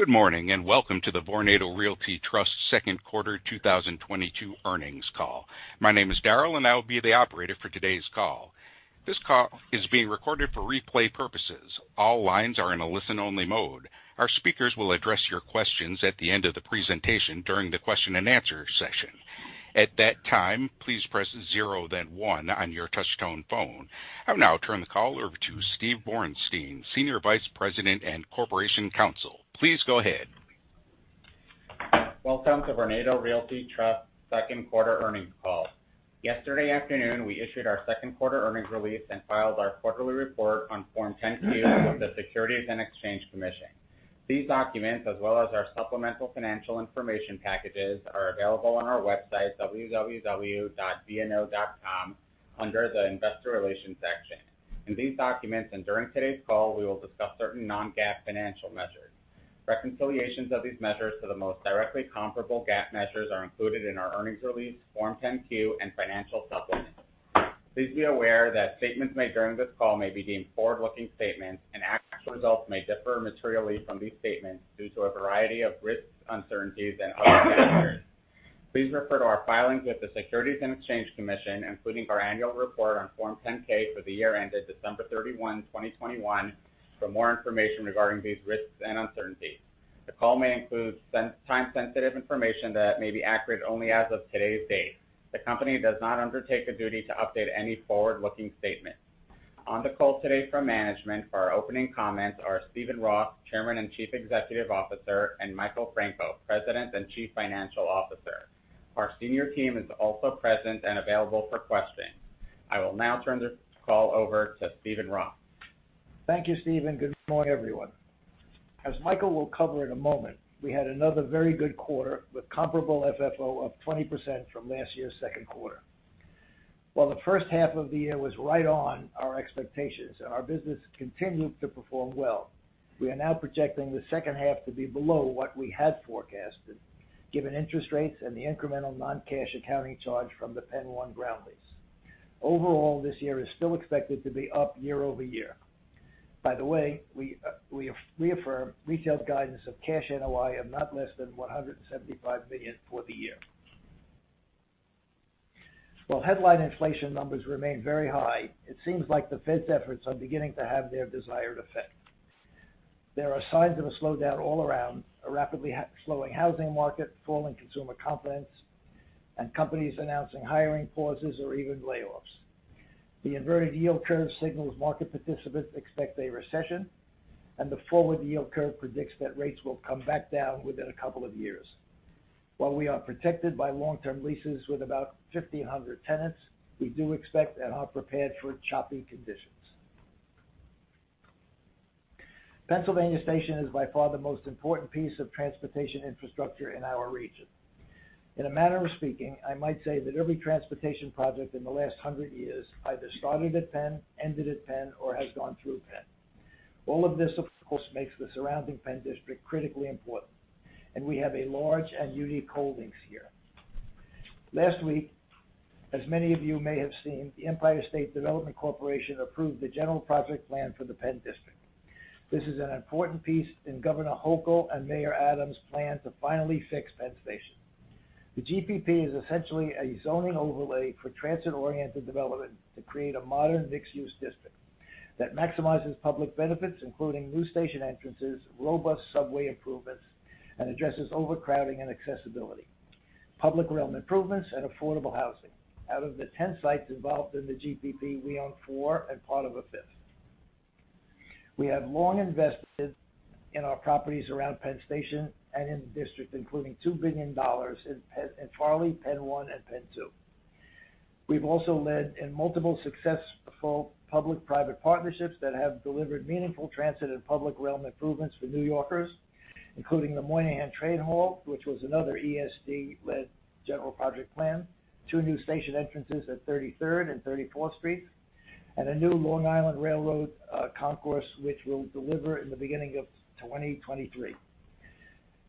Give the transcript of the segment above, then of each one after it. Good morning, and welcome to the Vornado Realty Trust second quarter 2022 earnings call. My name is Daryl, and I will be the operator for today's call. This call is being recorded for replay purposes. All lines are in a listen only mode. Our speakers will address your questions at the end of the presentation during the question and answer session. At that time, please press zero then one on your touchtone phone. I'll now turn the call over to Steven Borenstein, Senior Vice President and Corporation Counsel. Please go ahead. Welcome to Vornado Realty Trust second quarter earnings call. Yesterday afternoon, we issued our second quarter earnings release and filed our quarterly report on Form 10-Q with the Securities and Exchange Commission. These documents, as well as our supplemental financial information packages, are available on our website www.vno.com under the investor relations section. In these documents and during today's call, we will discuss certain non-GAAP financial measures. Reconciliations of these measures to the most directly comparable GAAP measures are included in our earnings release, Form 10-Q and financial supplements. Please be aware that statements made during this call may be deemed forward-looking statements, and actual results may differ materially from these statements due to a variety of risks, uncertainties, and other factors. Please refer to our filings with the Securities and Exchange Commission, including our annual report on Form 10-K for the year ended December 31, 2021, for more information regarding these risks and uncertainties. The call may include time-sensitive information that may be accurate only as of today's date. The company does not undertake a duty to update any forward-looking statement. On the call today from management for our opening comments are Steven Roth, Chairman and Chief Executive Officer, and Michael Franco, President and Chief Financial Officer. Our senior team is also present and available for questioning. I will now turn the call over to Steven Roth. Thank you, Steven. Good morning, everyone. As Michael will cover in a moment, we had another very good quarter with comparable FFO of 20% from last year's second quarter. While the first half of the year was right on our expectations and our business continued to perform well, we are now projecting the second half to be below what we had forecasted given interest rates and the incremental non-cash accounting charge from the Penn One ground lease. Overall, this year is still expected to be up year-over-year. By the way, we reaffirm retail guidance of cash NOI of not less than $175 million for the year. While headline inflation numbers remain very high, it seems like the Fed's efforts are beginning to have their desired effect. There are signs of a slowdown all around, a rapidly slowing housing market, falling consumer confidence, and companies announcing hiring pauses or even layoffs. The inverted yield curve signals market participants expect a recession, and the forward yield curve predicts that rates will come back down within a couple of years. While we are protected by long-term leases with about 1,500 tenants, we do expect and are prepared for choppy conditions. Pennsylvania Station is by far the most important piece of transportation infrastructure in our region. In a manner of speaking, I might say that every transportation project in the last 100 years either started at Penn, ended at Penn, or has gone through Penn. All of this, of course, makes the surrounding Penn District critically important, and we have a large and unique holdings here. Last week, as many of you may have seen, the Empire State Development Corporation approved the general project plan for the Penn District. This is an important piece in Governor Hochul and Mayor Adams' plan to finally fix Penn Station. The GPP is essentially a zoning overlay for transit-oriented development to create a modern mixed-use district that maximizes public benefits, including new station entrances, robust subway improvements, and addresses overcrowding and accessibility, public realm improvements, and affordable housing. Out of the 10 sites involved in the GPP, we own four and part of a fifth. We have long invested in our properties around Penn Station and in the district, including $2 billion in PENN1, Farley, and PENN2. We've also led in multiple successful public-private partnerships that have delivered meaningful transit and public realm improvements for New Yorkers, including the Moynihan Train Hall, which was another ESD-led General Project Plan, two new station entrances at 33rd and 34th Street, and a new Long Island Rail Road concourse which we'll deliver in the beginning of 2023.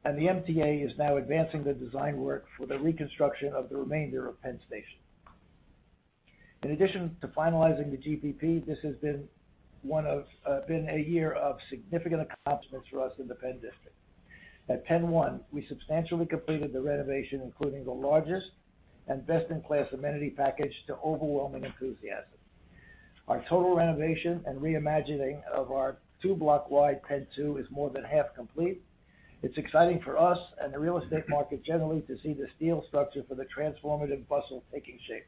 The MTA is now advancing the design work for the reconstruction of the remainder of Penn Station. In addition to finalizing the GPP, this has been one of a year of significant accomplishments for us in the Penn District. At PENN 1, we substantially completed the renovation, including the largest and best-in-class amenity package to overwhelming enthusiasm. Our total renovation and reimagining of our two block wide PENN 2 is more than half complete. It's exciting for us and the real estate market generally to see the steel structure for the transformative bustle taking shape.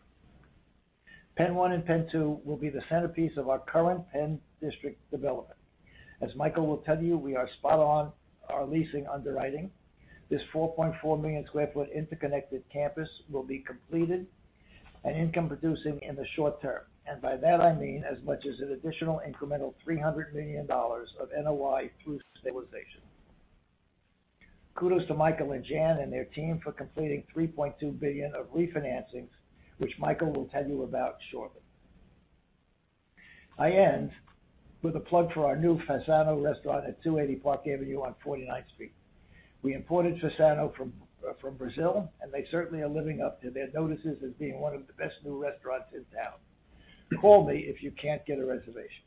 Penn One and Penn Two will be the centerpiece of our current Penn District development. As Michael will tell you, we are spot on our leasing underwriting. This 4.4 million sq ft interconnected campus will be completed and income producing in the short term. By that I mean as much as an additional incremental $300 million of NOI through stabilization. Kudos to Michael and Glenn and their team for completing $3.2 billion of refinancings, which Michael will tell you about shortly. I end with a plug for our new Fasano Restaurant at 280 Park Avenue on 49th Street. We imported Fasano from Brazil, and they certainly are living up to their notices as being one of the best new restaurants in town. Call me if you can't get a reservation.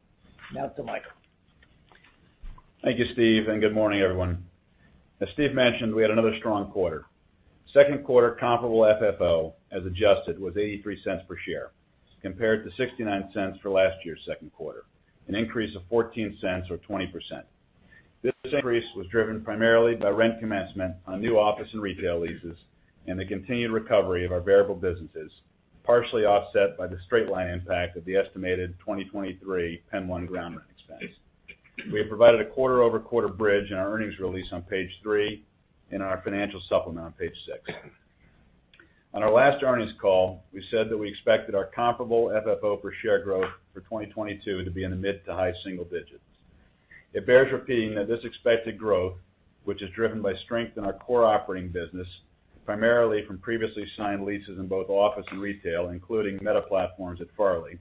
Now to Michael. Thank you, Steve, and good morning, everyone. As Steve mentioned, we had another strong quarter. Second quarter comparable FFO, as adjusted, was $0.83 per share as compared to $0.69 for last year's second quarter, an increase of $0.14 or 20%. This increase was driven primarily by rent commencement on new office and retail leases and the continued recovery of our variable businesses, partially offset by the straight-line impact of the estimated 2023 Penn One ground rent expense. We have provided a quarter-over-quarter bridge in our earnings release on page three in our financial supplement on page six. On our last earnings call, we said that we expected our comparable FFO per share growth for 2022 to be in the mid to high single digits. It bears repeating that this expected growth, which is driven by strength in our core operating business, primarily from previously signed leases in both office and retail, including Meta Platforms at Farley,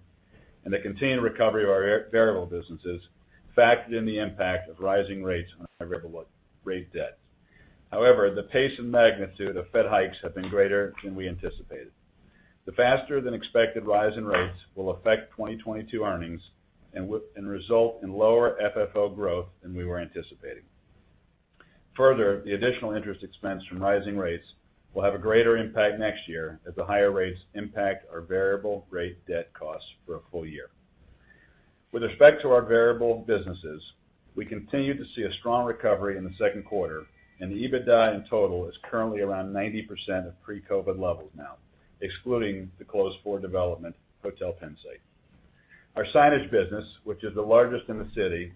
and the continued recovery of our variable businesses, factored in the impact of rising rates on our variable rate debt. However, the pace and magnitude of Fed hikes have been greater than we anticipated. The faster than expected rise in rates will affect 2022 earnings and result in lower FFO growth than we were anticipating. Further, the additional interest expense from rising rates will have a greater impact next year as the higher rates impact our variable rate debt costs for a full year. With respect to our variable businesses, we continue to see a strong recovery in the second quarter, and the EBITDA in total is currently around 90% of pre-COVID levels now, excluding the closed core development Hotel PENN 1. Our signage business, which is the largest in the city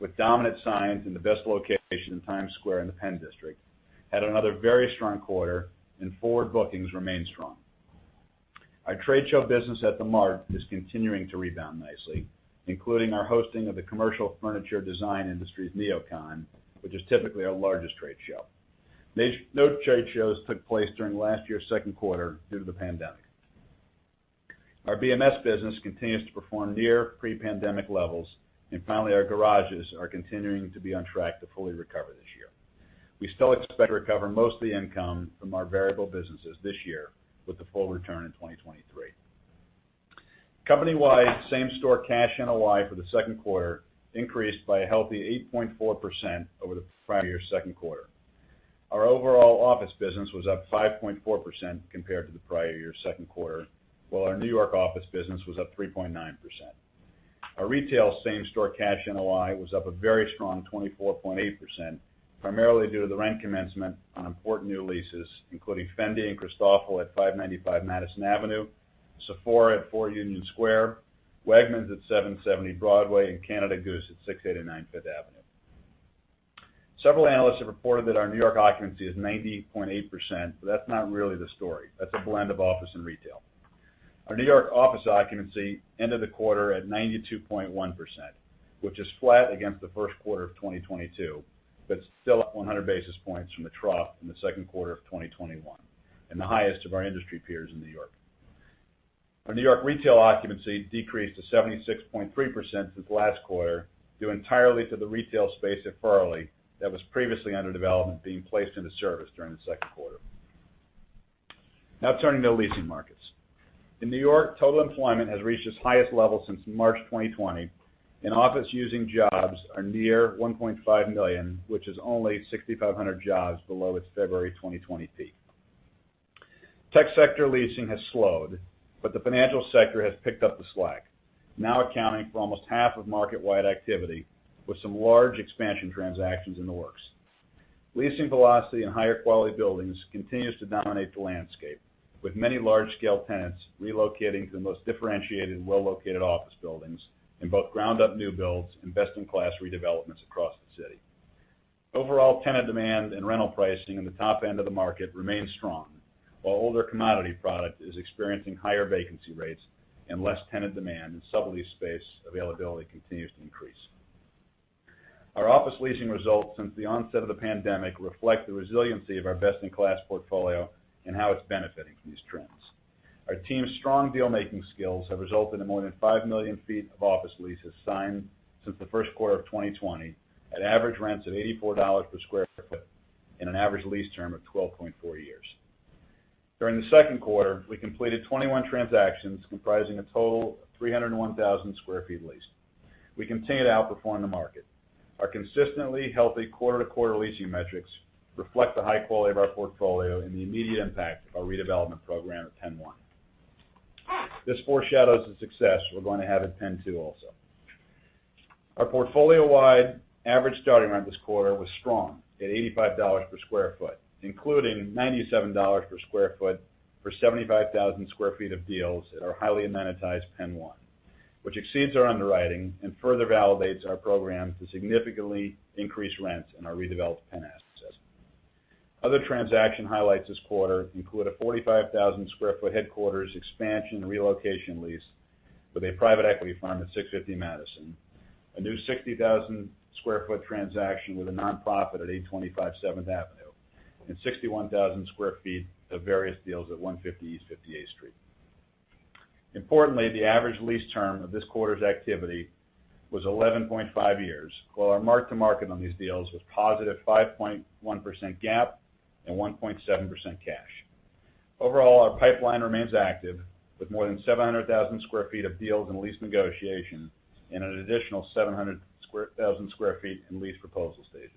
with dominant signs in the best location in Times Square in the Penn District, had another very strong quarter and forward bookings remain strong. Our trade show business at the Mart is continuing to rebound nicely, including our hosting of the commercial furniture design industry's NeoCon, which is typically our largest trade show. No trade shows took place during last year's second quarter due to the pandemic. Our BMS business continues to perform near pre-pandemic levels. Finally, our garages are continuing to be on track to fully recover this year. We still expect to recover most of the income from our variable businesses this year with the full return in 2023. Company-wide same-store cash NOI for the second quarter increased by a healthy 8.4% over the prior year's second quarter. Our overall office business was up 5.4% compared to the prior year's second quarter, while our New York office business was up 3.9%. Our retail same-store cash NOI was up a very strong 24.8%, primarily due to the rent commencement on important new leases, including Fendi and Christofle at 595 Madison Avenue, Sephora at 4 Union Square, Wegmans at 770 Broadway, and Canada Goose at 689 Fifth Avenue. Several analysts have reported that our New York occupancy is 90.8%, but that's not really the story. That's a blend of office and retail. Our New York office occupancy ended the quarter at 92.1%, which is flat against the first quarter of 2022, but still up 100 basis points from the trough in the second quarter of 2021 and the highest of our industry peers in New York. Our New York retail occupancy decreased to 76.3% since last quarter, due entirely to the retail space at Farley that was previously under development being placed into service during the second quarter. Now turning to leasing markets. In New York, total employment has reached its highest level since March 2020, and office using jobs are near 1.5 million, which is only 6,500 jobs below its February 2020 peak. Tech sector leasing has slowed, but the financial sector has picked up the slack, now accounting for almost half of market-wide activity with some large expansion transactions in the works. Leasing velocity in higher quality buildings continues to dominate the landscape, with many large-scale tenants relocating to the most differentiated, well-located office buildings in both ground-up new builds and best-in-class redevelopments across the city. Overall tenant demand and rental pricing in the top end of the market remains strong. While older commodity product is experiencing higher vacancy rates and less tenant demand and sublease space availability continues to increase. Our office leasing results since the onset of the pandemic reflect the resiliency of our best-in-class portfolio and how it's benefiting from these trends. Our team's strong deal-making skills have resulted in more than 5 million sq ft of office leases signed since the first quarter of 2020 at average rents of $84 per sq ft and an average lease term of 12.4 years. During the second quarter, we completed 21 transactions comprising a total of 301,000 sq ft leased. We continue to outperform the market. Our consistently healthy quarter-to-quarter leasing metrics reflect the high quality of our portfolio and the immediate impact of our redevelopment program at Penn One. This foreshadows the success we're going to have at Penn Two also. Our portfolio-wide average starting rent this quarter was strong at $85 per sq ft, including $97 per sq ft for 75,000 sq ft of deals at our highly monetized Penn One, which exceeds our underwriting and further validates our program to significantly increase rents in our redeveloped Penn assets. Other transaction highlights this quarter include a 45,000 sq ft headquarters expansion relocation lease with a private equity firm at 650 Madison. A new 60,000 sq ft transaction with a nonprofit at 825 7th Avenue, and 61,000 sq ft of various deals at 150 East 58th Street. Importantly, the average lease term of this quarter's activity was 11.5 years, while our mark-to-market on these deals was positive 5.1% GAAP and 1.7% cash. Overall, our pipeline remains active with more than 700,000 sq ft of deals in lease negotiation and an additional 700,000 sq ft in lease proposal stages.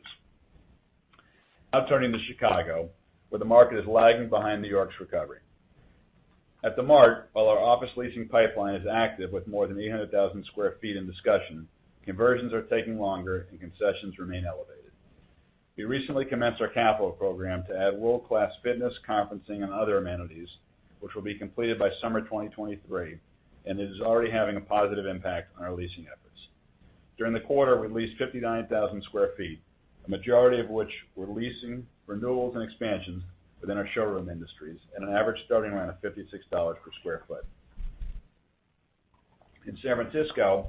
Now turning to Chicago, where the market is lagging behind New York's recovery. At the Mart, while our office leasing pipeline is active with more than 800,000 sq ft in discussion, conversions are taking longer and concessions remain elevated. We recently commenced our capital program to add world-class fitness, conferencing, and other amenities, which will be completed by summer 2023, and it is already having a positive impact on our leasing efforts. During the quarter, we leased 59,000 sq ft, a majority of which were leasing renewals and expansions within our showroom industries at an average starting rent of $56 per sq ft. In San Francisco,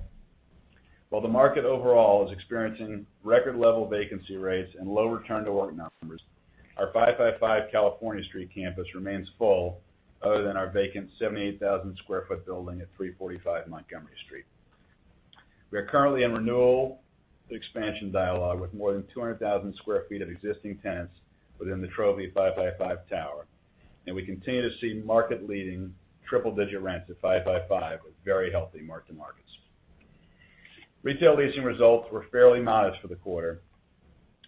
while the market overall is experiencing record level vacancy rates and low return to work numbers, our 555 California Street campus remains full other than our vacant 78,000 sq ft building at 345 Montgomery Street. We are currently in renewal expansion dialogue with more than 200,000 sq ft of existing tenants within the trophy 555 tower, and we continue to see market leading triple digit rents at 555 with very healthy mark-to-markets. Retail leasing results were fairly modest for the quarter,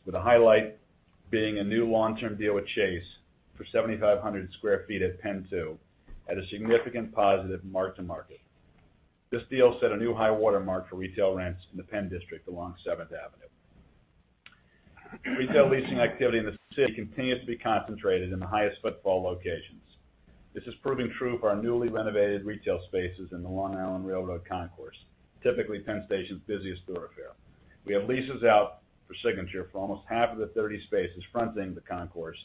with the highlight being a new long-term deal with Chase for 7,500 sq ft at PENN 2 at a significant positive mark-to-market. This deal set a new high water mark for retail rents in the Penn District along Seventh Avenue. Retail leasing activity in the city continues to be concentrated in the highest footfall locations. This is proving true for our newly renovated retail spaces in the Long Island Rail Road Concourse, typically Penn Station's busiest thoroughfare. We have leases out for signature for almost half of the 30 spaces fronting the concourse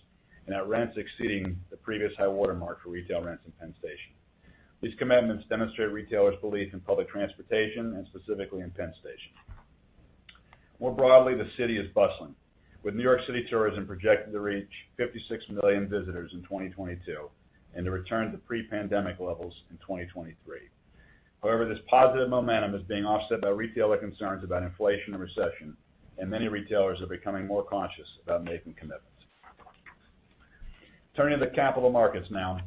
and at rents exceeding the previous high water mark for retail rents in Penn Station. These commitments demonstrate retailers' belief in public transportation and specifically in Penn Station. More broadly, the city is bustling, with New York City tourism projected to reach 56 million visitors in 2022 and to return to pre-pandemic levels in 2023. However, this positive momentum is being offset by retailer concerns about inflation and recession, and many retailers are becoming more conscious about making commitments. Turning to the capital markets now.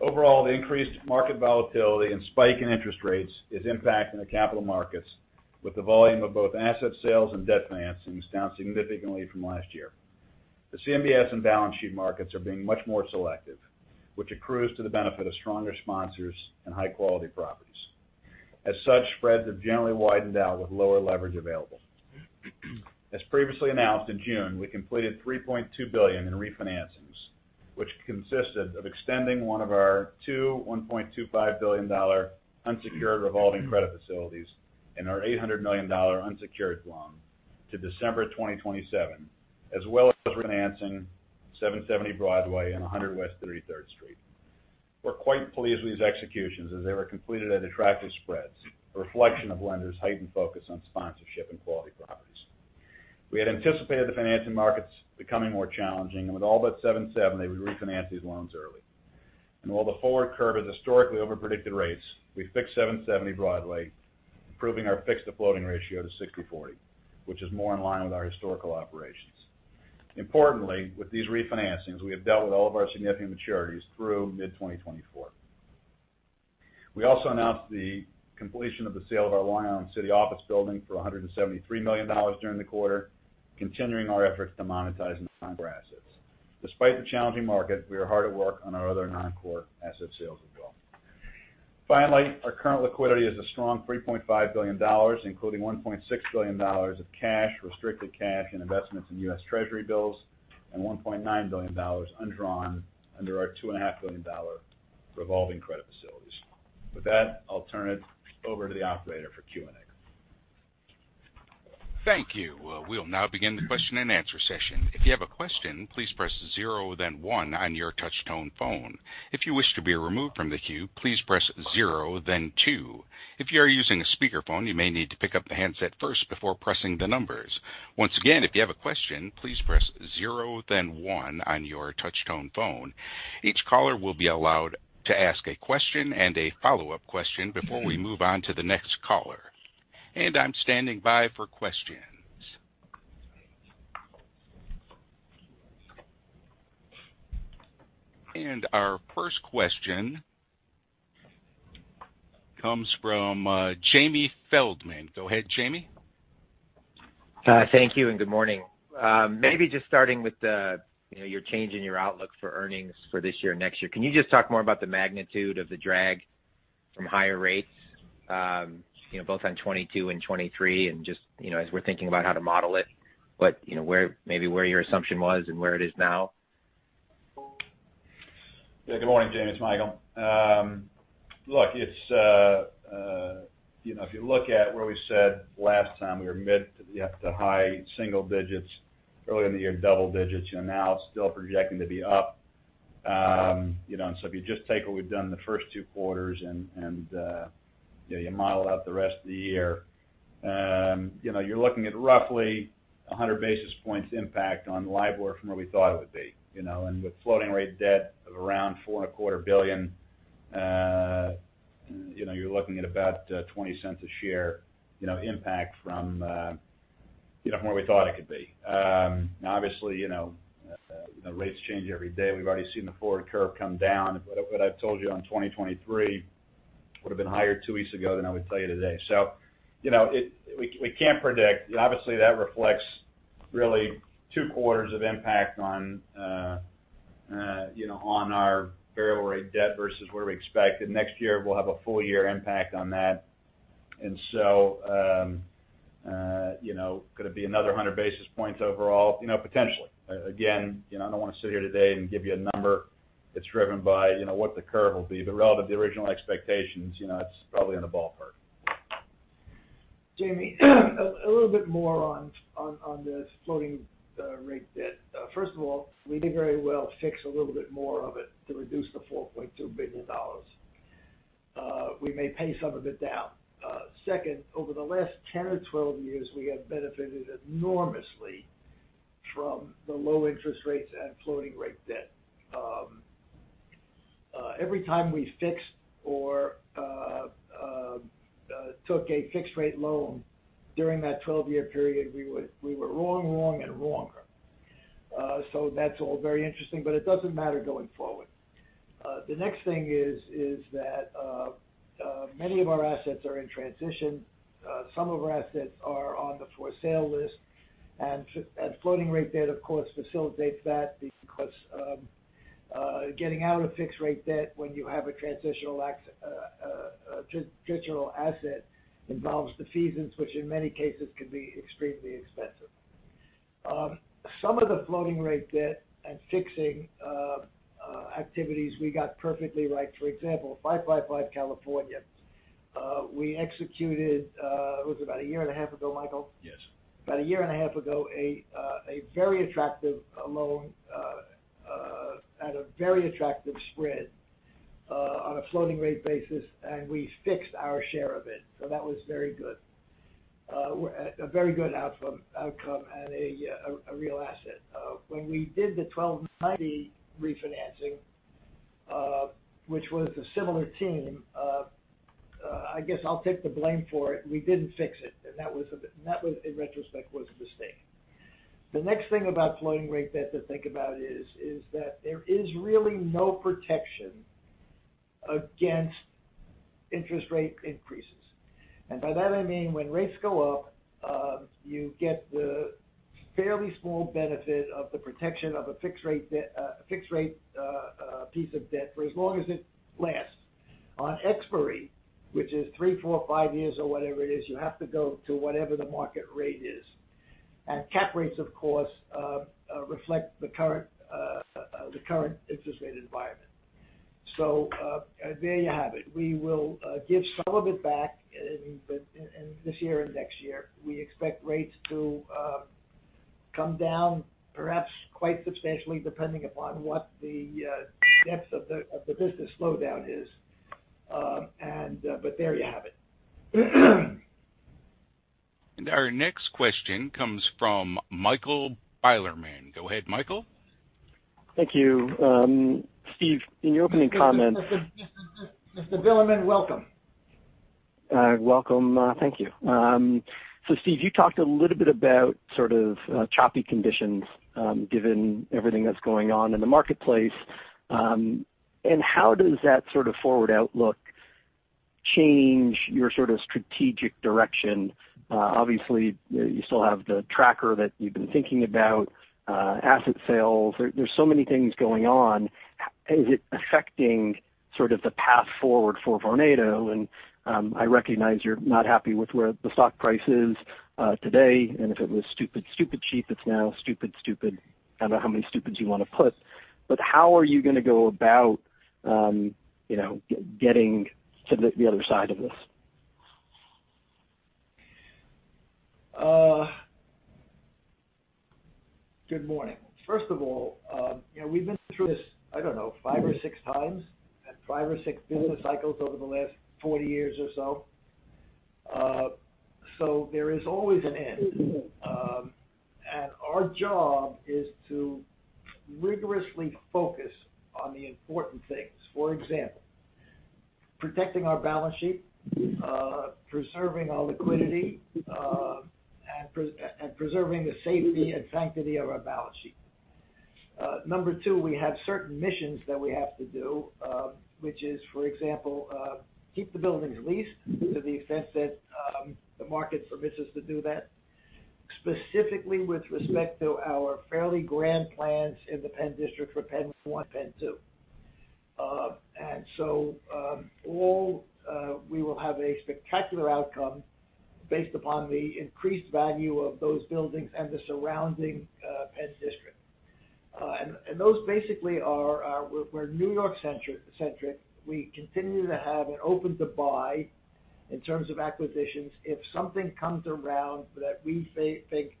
Overall, the increased market volatility and spike in interest rates is impacting the capital markets with the volume of both asset sales and debt financings down significantly from last year. The CMBS and balance sheet markets are being much more selective, which accrues to the benefit of stronger sponsors and high quality properties. As such, spreads have generally widened out with lower leverage available. As previously announced in June, we completed $3.2 billion in refinancings, which consisted of extending one of our two $1.25 billion unsecured revolving credit facilities and our $800 million unsecured loan to December 2027, as well as refinancing 770 Broadway and 100 West 33rd Street. We're quite pleased with these executions as they were completed at attractive spreads, a reflection of lenders' heightened focus on sponsorship and quality properties. We had anticipated the financing markets becoming more challenging, and with all but 770, we refinanced these loans early. While the forward curve has historically overpredicted rates, we fixed 770 Broadway, improving our fixed to floating ratio to 60/40, which is more in line with our historical operations. Importantly, with these refinancings, we have dealt with all of our significant maturities through mid-2024. We also announced the completion of the sale of our Long Island City office building for $173 million during the quarter, continuing our efforts to monetize non-core assets. Despite the challenging market, we are hard at work on our other non-core asset sales as well. Finally, our current liquidity is a strong $3.5 billion, including $1.6 billion of cash, restricted cash, and investments in U.S. Treasury bills, and $1.9 billion undrawn under our $2.5 billion revolving credit facilities. With that, I'll turn it over to the operator for Q&A. Thank you. We'll now begin the question-and-answer session. If you have a question, please press zero then one on your touch tone phone. If you wish to be removed from the queue, please press zero then two. If you are using a speakerphone, you may need to pick up the handset first before pressing the numbers. Once again, if you have a question, please press zero then one on your touch tone phone. Each caller will be allowed to ask a question and a follow-up question before we move on to the next caller. I'm standing by for questions. Our first question comes from Jamie Feldman. Go ahead, Jamie. Thank you, and good morning. Maybe just starting with the, you know, your change in your outlook for earnings for this year, next year. Can you just talk more about the magnitude of the drag from higher rates, you know, both on 2022 and 2023 and just, you know, as we're thinking about how to model it, but, you know, where your assumption was and where it is now? Good morning, Jamie. It's Michael. Look, you know, if you look at where we said last time, we were mid- to high single digits early in the year double digits. You're now still projecting to be up, if you just take what we've done in the first two quarters and you model out the rest of the year You know, you're looking at roughly 100 basis points impact on LIBOR from where we thought it would be, you know. With floating rate debt of around $4.25 billion, you know, you're looking at about $0.20 a share, you know, impact from, you know, from where we thought it could be. Now obviously, you know, rates change every day. We've already seen the forward curve come down. What I've told you on 2023 would have been higher two weeks ago than I would tell you today. You know, we can't predict. Obviously, that reflects really two quarters of impact on, you know, on our variable rate debt versus where we expected. Next year, we'll have a full year impact on that. You know, could it be another 100 basis points overall? You know, potentially. Again, you know, I don't wanna sit here today and give you a number. It's driven by, you know, what the curve will be. Relative to the original expectations, you know, it's probably in the ballpark. Jamie, a little bit more on this floating rate debt. First of all, we did very well to fix a little bit more of it to reduce to $4.2 billion. We may pay some of it down. Second, over the last 10 or 12 years, we have benefited enormously from the low interest rates and floating rate debt. Every time we fixed or took a fixed rate loan during that 12-year period, we were wrong and wronger. That's all very interesting, but it doesn't matter going forward. The next thing is that many of our assets are in transition. Some of our assets are on the for-sale list, and floating rate debt, of course, facilitates that because getting out of fixed rate debt when you have a transitional asset involves defeasance, which in many cases can be extremely expensive. Some of the floating rate debt and fixing activities we got perfectly right. For example, 555 California, we executed, it was about a year and a half ago, Michael? Yes. About a year and a half ago, a very attractive loan at a very attractive spread on a floating rate basis, and we fixed our share of it. That was very good. A very good outcome and a real asset. When we did the 1290 refinancing, which was a similar team, I guess I'll take the blame for it, we didn't fix it, and that was, in retrospect, a mistake. The next thing about floating rate debt to think about is that there is really no protection against interest rate increases. By that, I mean when rates go up, you get the fairly small benefit of the protection of a fixed rate piece of debt for as long as it lasts. On expiry, which is three, four, five years or whatever it is, you have to go to whatever the market rate is. Cap rates, of course, reflect the current interest rate environment. There you have it. We will give some of it back in this year and next year. We expect rates to come down perhaps quite substantially, depending upon what the depth of the business slowdown is. There you have it. Our next question comes from Michael Bilerman. Go ahead, Michael. Thank you. Steve, in your opening comments. Mr. Bilerman, welcome. Welcome. Thank you. Steve, you talked a little bit about sort of choppy conditions, given everything that's going on in the marketplace, and how does that sort of forward outlook change your sort of strategic direction? Obviously, you still have the tracker that you've been thinking about, asset sales. There's so many things going on. Is it affecting sort of the path forward for Vornado? I recognize you're not happy with where the stock price is, today, and if it was stupid cheap, it's now stupid stupid. I don't know how many stupids you wanna put. How are you gonna go about, you know, getting to the other side of this? Good morning. First of all, you know, we've been through this, I don't know, five or six times and five or six business cycles over the last 40 years or so. There is always an end. Our job is to rigorously focus on the important things. For example, protecting our balance sheet, preserving our liquidity, and preserving the safety and sanctity of our balance sheet. Number two, we have certain missions that we have to do, which is, for example, keep the buildings leased to the extent that the market permits us to do that, specifically with respect to our fairly grand plans in the Penn District for PENN 1, PENN 2. We will have a spectacular outcome based upon the increased value of those buildings and the surrounding Penn District. Those basically are. We are New York-centric. We continue to have an open to buy in terms of acquisitions if something comes around that we think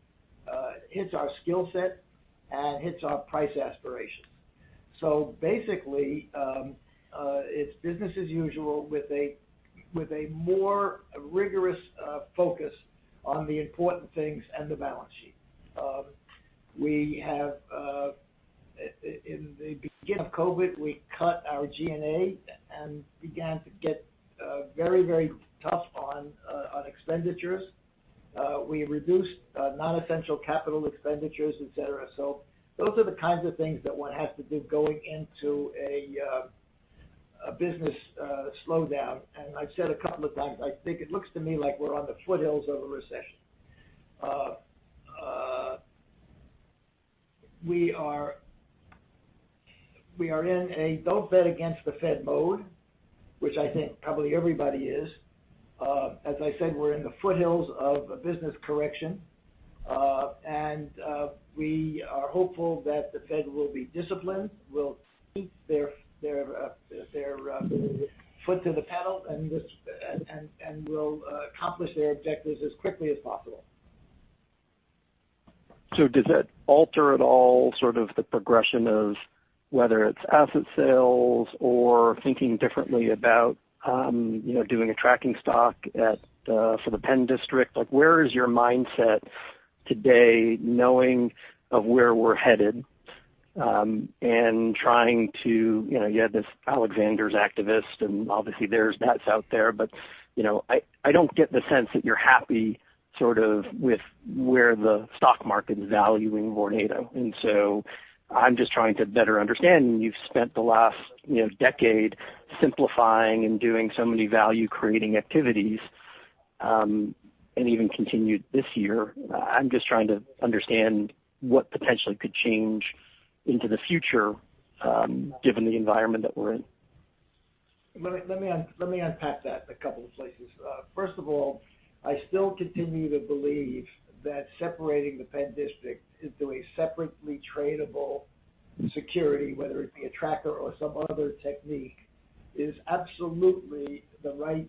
hits our skill set and hits our price aspirations. Basically, it's business as usual with a more rigorous focus on the important things and the balance sheet. In the beginning of COVID, we cut our G&A and began to get very tough on expenditures. We reduced non-essential capital expenditures, et cetera. Those are the kinds of things that one has to do going into a business slowdown. I've said a couple of times, I think it looks to me like we're on the foothills of a recession. We are in a don't bet against the Fed mode, which I think probably everybody is. As I said, we're in the foothills of a business correction. We are hopeful that the Fed will be disciplined, will keep their foot to the pedal, and will accomplish their objectives as quickly as possible. Does that alter at all sort of the progression of whether it's asset sales or thinking differently about, you know, doing a tracking stock at, for the Penn District? Like, where is your mindset today knowing of where we're headed, and trying to, you know, you had this Alexander's activist, and obviously, that's out there. You know, I don't get the sense that you're happy sort of with where the stock market is valuing Vornado. I'm just trying to better understand. You've spent the last, you know, decade simplifying and doing so many value-creating activities, and even continued this year. I'm just trying to understand what potentially could change into the future, given the environment that we're in. Let me unpack that a couple of places. First of all, I still continue to believe that separating the Penn district into a separately tradable security, whether it be a tracker or some other technique, is absolutely the right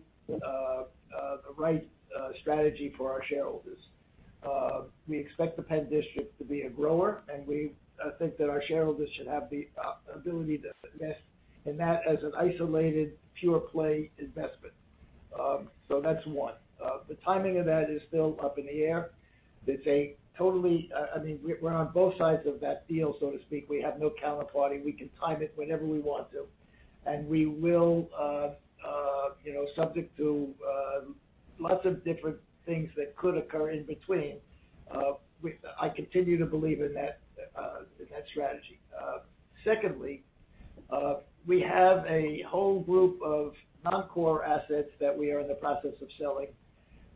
strategy for our shareholders. We expect the Penn district to be a grower, and we think that our shareholders should have the ability to invest in that as an isolated pure play investment. That's one. The timing of that is still up in the air. I mean, we're on both sides of that deal, so to speak. We have no counterparty. We can time it whenever we want to, and we will, you know, subject to lots of different things that could occur in between. I continue to believe in that strategy. Secondly, we have a whole group of non-core assets that we are in the process of selling,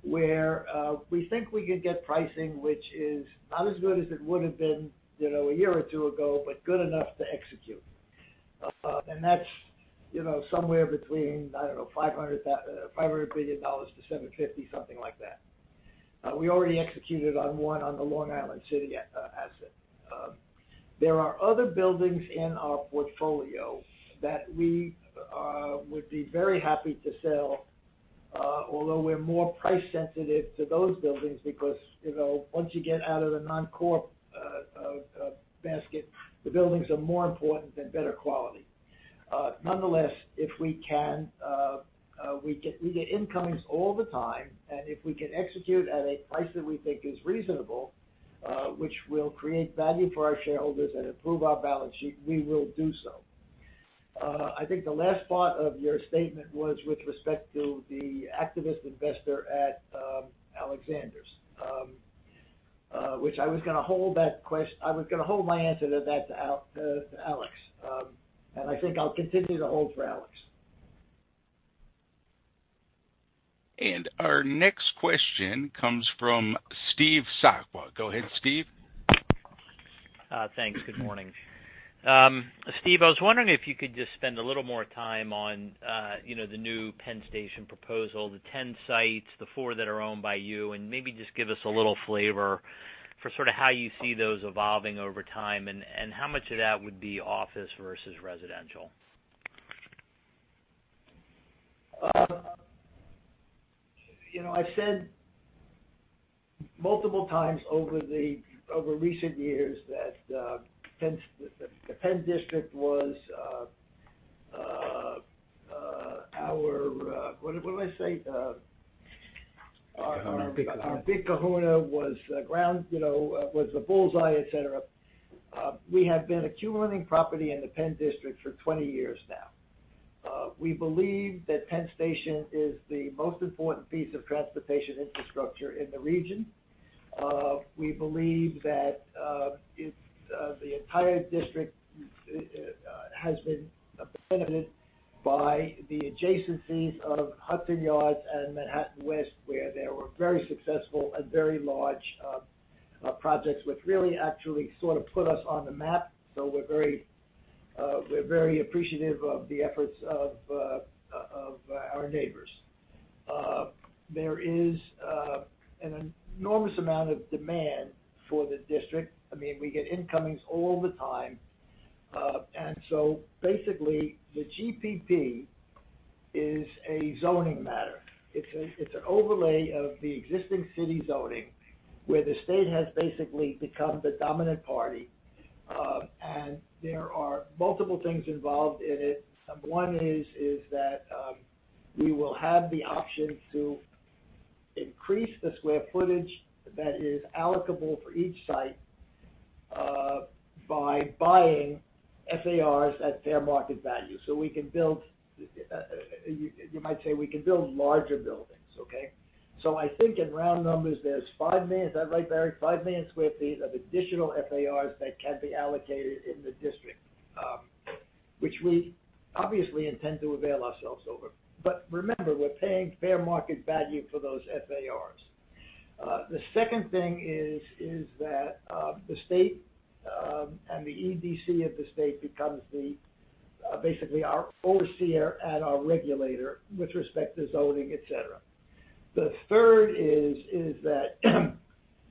where we think we could get pricing which is not as good as it would have been, you know, a year or two ago, but good enough to execute. That's, you know, somewhere between, I don't know, $500 million-$750 million, something like that. We already executed on one, on the Long Island City asset. There are other buildings in our portfolio that we would be very happy to sell, although we're more price sensitive to those buildings because, you know, once you get out of the non-core basket, the buildings are more important and better quality. Nonetheless, if we can, we get incomings all the time, and if we can execute at a price that we think is reasonable, which will create value for our shareholders and improve our balance sheet, we will do so. I think the last part of your statement was with respect to the activist investor at Alexander's, which I was gonna hold my answer to that to Alex. I think I'll continue to hold for Alex. Our next question comes from Steve Sakwa. Go ahead, Steve. Thanks. Good morning. Steve, I was wondering if you could just spend a little more time on, you know, the new Penn Station proposal, the 10 sites, the four that are owned by you, and maybe just give us a little flavor for sort of how you see those evolving over time, and how much of that would be office versus residential. You know, I've said multiple times over recent years that the Penn District was our what did I say? our The big kahuna. Our big kahuna was, you know, the bull's eye, et cetera. We have been accumulating property in the Penn District for 20 years now. We believe that Penn Station is the most important piece of transportation infrastructure in the region. We believe that it's the entire district has been benefited by the adjacencies of Hudson Yards and Manhattan West, where there were very successful and very large projects, which really actually sort of put us on the map. We're very appreciative of the efforts of our neighbors. There is an enormous amount of demand for the district. I mean, we get incomings all the time. Basically, the GPP is a zoning matter. It's an overlay of the existing city zoning, where the state has basically become the dominant party. There are multiple things involved in it. One is that we will have the option to increase the square footage that is allocable for each site by buying FARs at fair market value. We can build larger buildings, you might say, okay? I think in round numbers, there's 5 million, is that right, Barry? 5 million sq ft of additional FARs that can be allocated in the district, which we obviously intend to avail ourselves of. Remember, we're paying fair market value for those FARs. The second thing is that the state and the ESD of the state becomes basically our overseer and our regulator with respect to zoning, et cetera. The third is that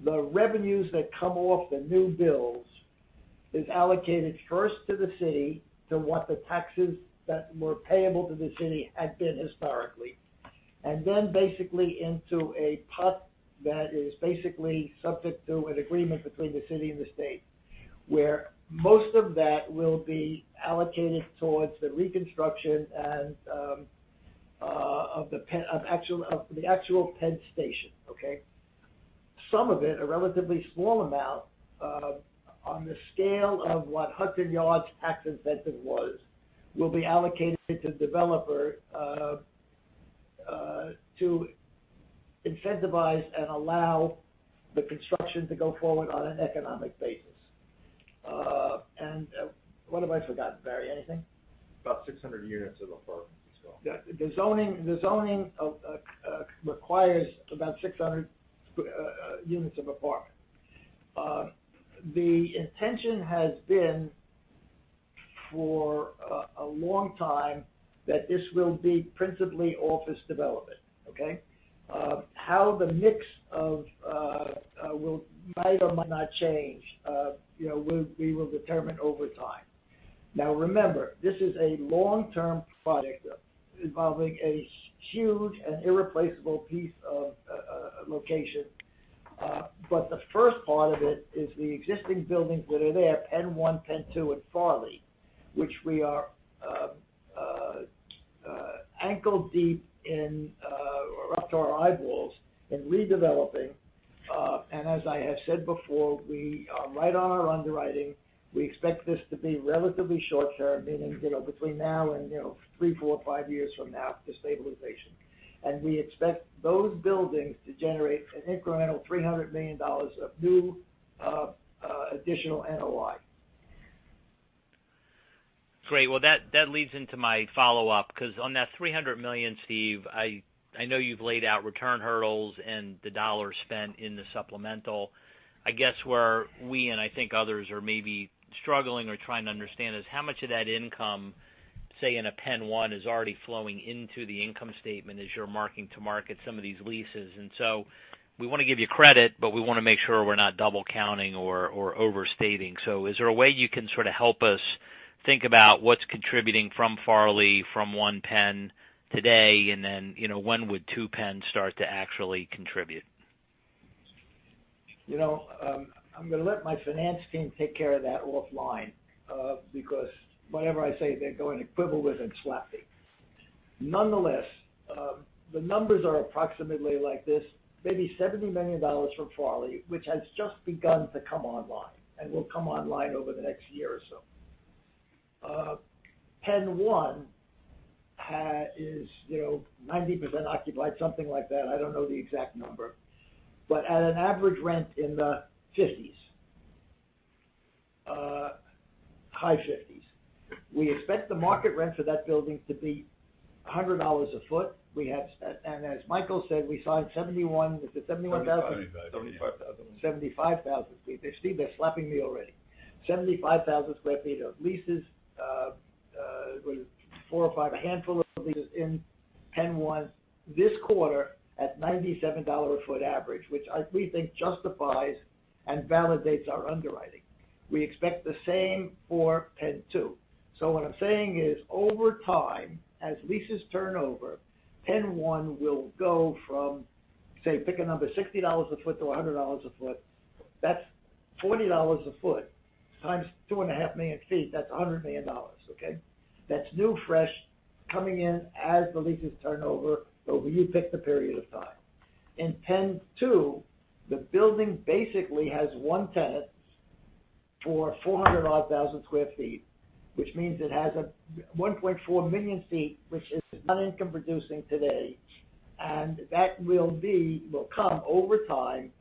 the revenues that come off the new builds is allocated first to the city, to what the taxes that were payable to the city had been historically. Then basically into a pot that is basically subject to an agreement between the city and the state, where most of that will be allocated towards the reconstruction and of the actual Penn Station. Okay? Some of it, a relatively small amount, on the scale of what Hudson Yards tax incentive was, will be allocated to the developer, to incentivize and allow the construction to go forward on an economic basis. What have I forgotten, Barry? Anything? About 600 units of apartments as well. Yeah. The zoning requires about 600 units of apartment. The intention has been for a long time that this will be principally office development. Okay? How the mix might or might not change, you know, we will determine over time. Now, remember, this is a long-term project involving a huge and irreplaceable piece of location. The first part of it is the existing buildings that are there, PENN 1, PENN 2, and Farley, which we are ankle-deep in or up to our eyeballs in redeveloping. As I have said before, we are right on our underwriting. We expect this to be relatively short term, meaning, you know, between now and, you know, three, four, five years from now to stabilization. We expect those buildings to generate an incremental $300 million of new additional NOI. Great. Well, that leads into my follow-up, because on that $300 million, Steve, I know you've laid out return hurdles and the dollar spent in the supplemental. I guess, where we and I think others are maybe struggling or trying to understand is how much of that income, say in a PENN 1, is already flowing into the income statement as you're marking to market some of these leases. We wanna give you credit, but we wanna make sure we're not double counting or overstating. Is there a way you can sort of help us think about what's contributing from Farley, from One Penn today, and then, you know, when would Two Penn start to actually contribute? You know, I'm gonna let my finance team take care of that offline, because whenever I say they're going equivalent and lapping. Nonetheless, the numbers are approximately like this, maybe $70 million from Farley, which has just begun to come online and will come online over the next year or so. PENN 1 is, you know, 90% occupied, something like that. I don't know the exact number. At an average rent in the 50s, high 50s. We expect the market rent for that building to be $100 a foot. We have. As Michael said, we signed 71. Is it 71,000? $75 thousand. 75,000. See, they're slapping me already. 75,000 sq ft of leases, four or five, a handful of leases in PENN 1 this quarter at $97 a foot average, which we think justifies and validates our underwriting. We expect the same for PENN 2. What I'm saying is, over time, as leases turn over, PENN 1 will go from, say, pick a number, $60 a foot to $100 a foot. That's $40 a foot times 2.5 million sq ft. That's $100 million. That's new, fresh, coming in as the leases turn over, you pick the period of time. In PENN 2, the building basically has one tenant for 400,000-odd sq ft, which means it has 1.4 million sq ft, which is not income producing today. That will come over time,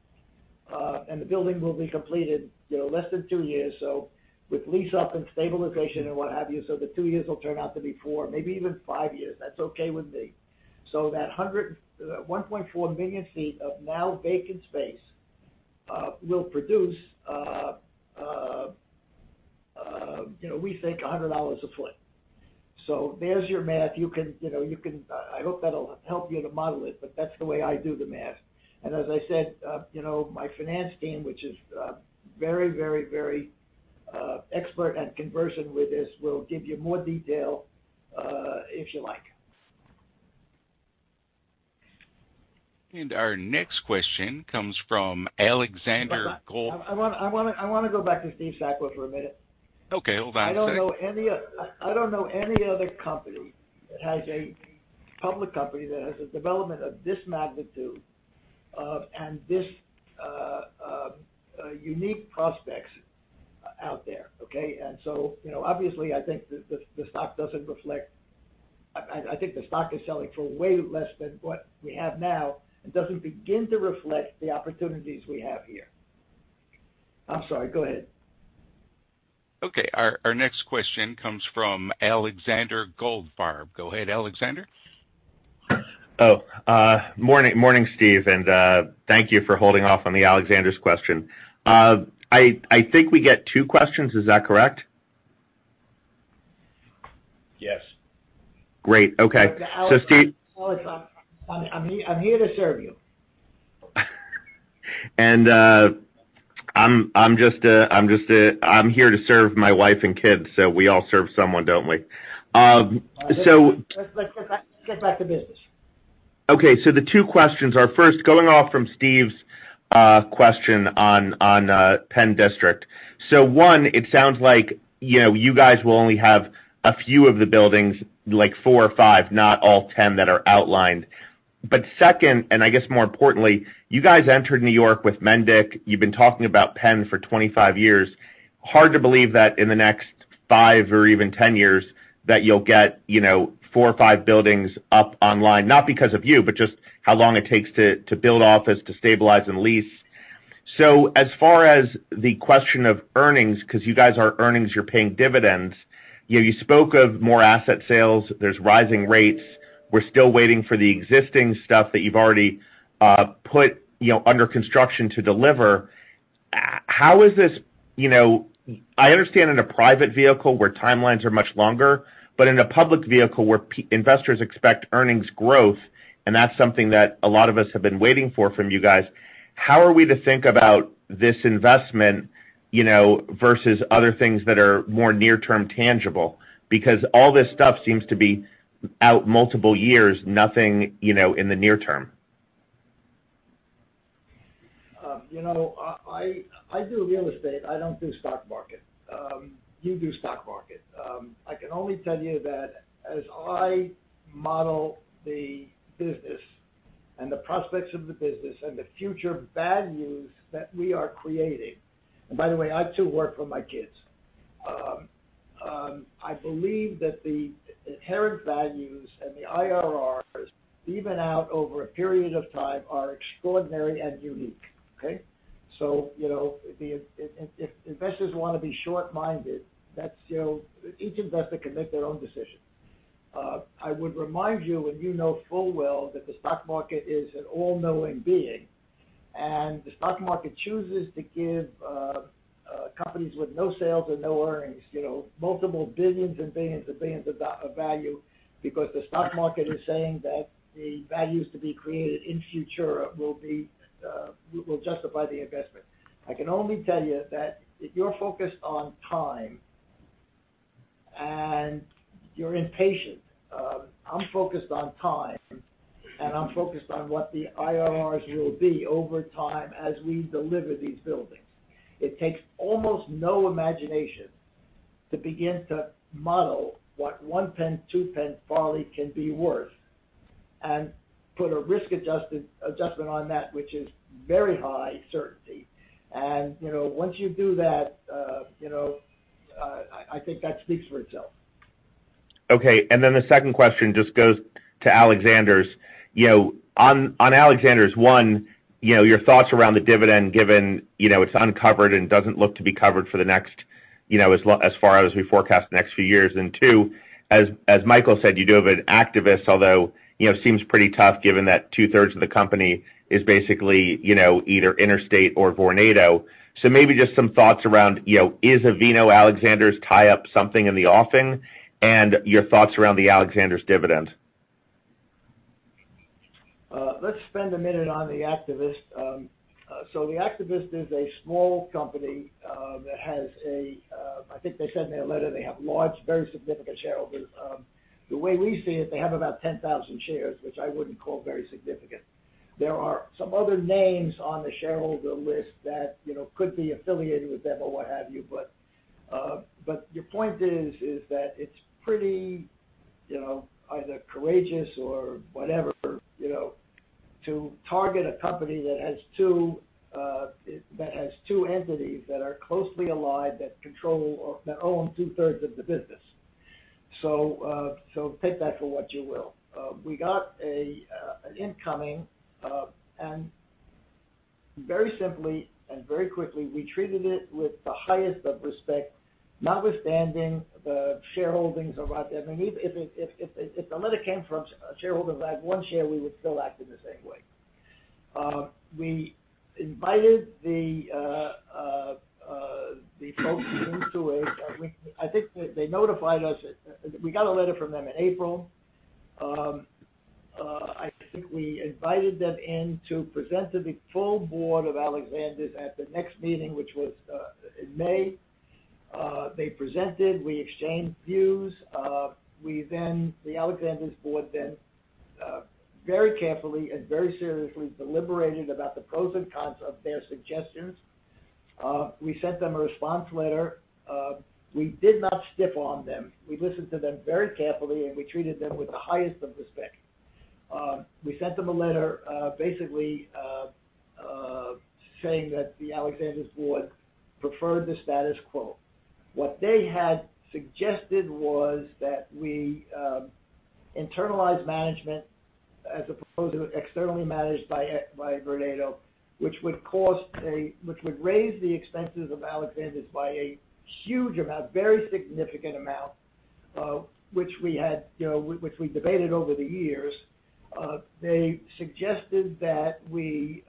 and the building will be completed, you know, less than two years. With lease up and stabilization and what have you. The two years will turn out to be four, maybe even five years. That's okay with me. That 1.4 million sq ft of now vacant space will produce, you know, we think $100 a sq ft. There's your math. You can, you know, I hope that'll help you to model it, but that's the way I do the math. As I said, you know, my finance team, which is very expert at conversion with this will give you more detail, if you like. Our next question comes from Alexander Goldfarb. I want to go back to Steve Sakwa for a minute. Okay, hold on a second. I don't know any other public company that has a development of this magnitude and this unique prospects out there, okay? You know, obviously, I think the stock doesn't reflect. I think the stock is selling for way less than what we have now. It doesn't begin to reflect the opportunities we have here. I'm sorry. Go ahead. Okay. Our next question comes from Alexander Goldfarb. Go ahead, Alexander. Morning, Steve, and thank you for holding off on the Alexander's question. I think we get two questions. Is that correct? Yes. Great. Okay. Steve- I'm here to serve you. I'm here to serve my wife and kids, so we all serve someone, don't we? Let's get back to business. Okay, the two questions are, first, going off from Steve's question on Penn District. One, it sounds like, you know, you guys will only have a few of the buildings, like four or five, not all 10 that are outlined. But second, and I guess more importantly, you guys entered New York with Mendik. You've been talking about Penn for 25 years. Hard to believe that in the next five or even 10 years that you'll get, you know, four or five buildings up online, not because of you, but just how long it takes to build office to stabilize and lease. As far as the question of earnings, because you guys are earnings, you're paying dividends. You spoke of more asset sales. There's rising rates. We're still waiting for the existing stuff that you've already put, you know, under construction to deliver. How is this, you know? I understand in a private vehicle where timelines are much longer, but in a public vehicle where investors expect earnings growth, and that's something that a lot of us have been waiting for from you guys. How are we to think about this investment, you know, versus other things that are more near-term tangible? Because all this stuff seems to be out multiple years, nothing in the near term. You know, I do real estate. I don't do stock market. You do stock market. I can only tell you that as I model the business and the prospects of the business and the future values that we are creating, and by the way, I too work for my kids. I believe that the inherent values and the IRRs even out over a period of time are extraordinary and unique. Okay? You know, if investors wanna be short-sighted, that's, you know, each investor can make their own decision. I would remind you, and you know full well that the stock market is an all-knowing being, and the stock market chooses to give companies with no sales and no earnings, you know, multiple billions of value because the stock market is saying that the values to be created in future will justify the investment. I can only tell you that if you're focused on time and you're impatient, I'm focused on time, and I'm focused on what the IRRs will be over time as we deliver these buildings. It takes almost no imagination to begin to model what one Penn, two Penn, Farley can be worth and put a risk-adjusted adjustment on that which is very high certainty. You know, once you do that, you know, I think that speaks for itself. Okay. The second question just goes to Alexander's. You know, on Alexander's, one, you know, your thoughts around the dividend given, you know, it's uncovered and doesn't look to be covered for the next, you know, as far out as we forecast the next few years. Two, as Michael said, you do have an activist, although, you know, seems pretty tough given that two-thirds of the company is basically, you know, either Interstate or Vornado. Maybe just some thoughts around, you know, is a Vornado Alexander's tie-up something in the offing? Your thoughts around the Alexander's dividend. Let's spend a minute on the activist. The activist is a small company. I think they said in their letter they have large, very significant shareholders. The way we see it, they have about 10,000 shares, which I wouldn't call very significant. There are some other names on the shareholder list that, you know, could be affiliated with them or what have you. Your point is that it's pretty, you know, either courageous or whatever, you know, to target a company that has two entities that are closely aligned, that control or that own two-thirds of the business. Take that for what you will. We got an incoming, and very simply and very quickly, we treated it with the highest of respect, notwithstanding the shareholdings of I think that they notified us. We got a letter from them in April. I think we invited them in to present to the full board of Alexander's at the next meeting, which was in May. They presented, we exchanged views. The Alexander's board then very carefully and very seriously deliberated about the pros and cons of their suggestions. We sent them a response letter. We did not stiff on them. We listened to them very carefully, and we treated them with the highest of respect. We sent them a letter, basically, saying that the Alexander's board preferred the status quo. What they had suggested was that we internalize management as opposed to externally managed by Vornado, which would raise the expenses of Alexander's by a huge amount, very significant amount, which we had, you know, which we debated over the years. They suggested that we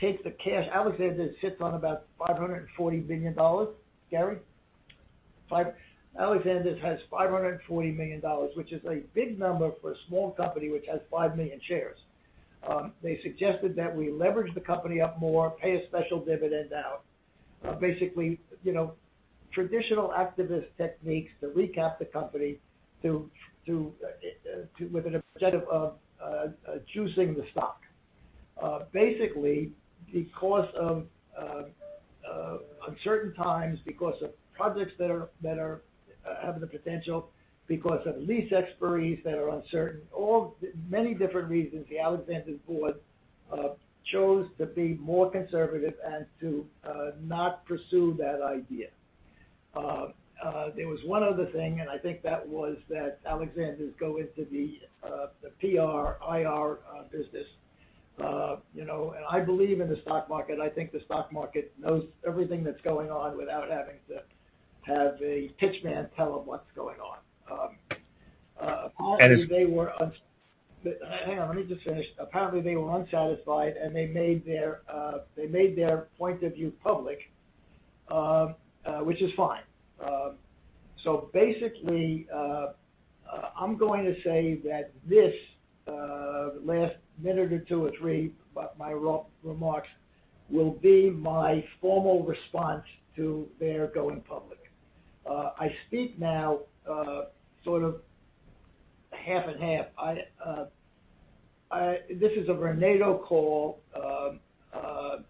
take the cash. Alexander's sits on about $540 million, Gary? Alexander's has $540 million, which is a big number for a small company which has 5 million shares. They suggested that we leverage the company up more, pay a special dividend out. Basically, you know, traditional activist techniques to recap the company with an objective of juicing the stock. Basically, because of uncertain times, because of projects that have the potential, because of lease expiries that are uncertain, all the many different reasons the Alexander's board chose to be more conservative and to not pursue that idea. There was one other thing, and I think that was that Alexander's go into the PR, IR business. You know, I believe in the stock market. I think the stock market knows everything that's going on without having to have a pitch man tell them what's going on. Apparently they were uns- And is- Hang on, let me just finish. Apparently, they were unsatisfied, and they made their point of view public, which is fine. Basically, I'm going to say that this last minute or two or three, but my remarks will be my formal response to their going public. I speak now sort of half and half. This is a Vornado call,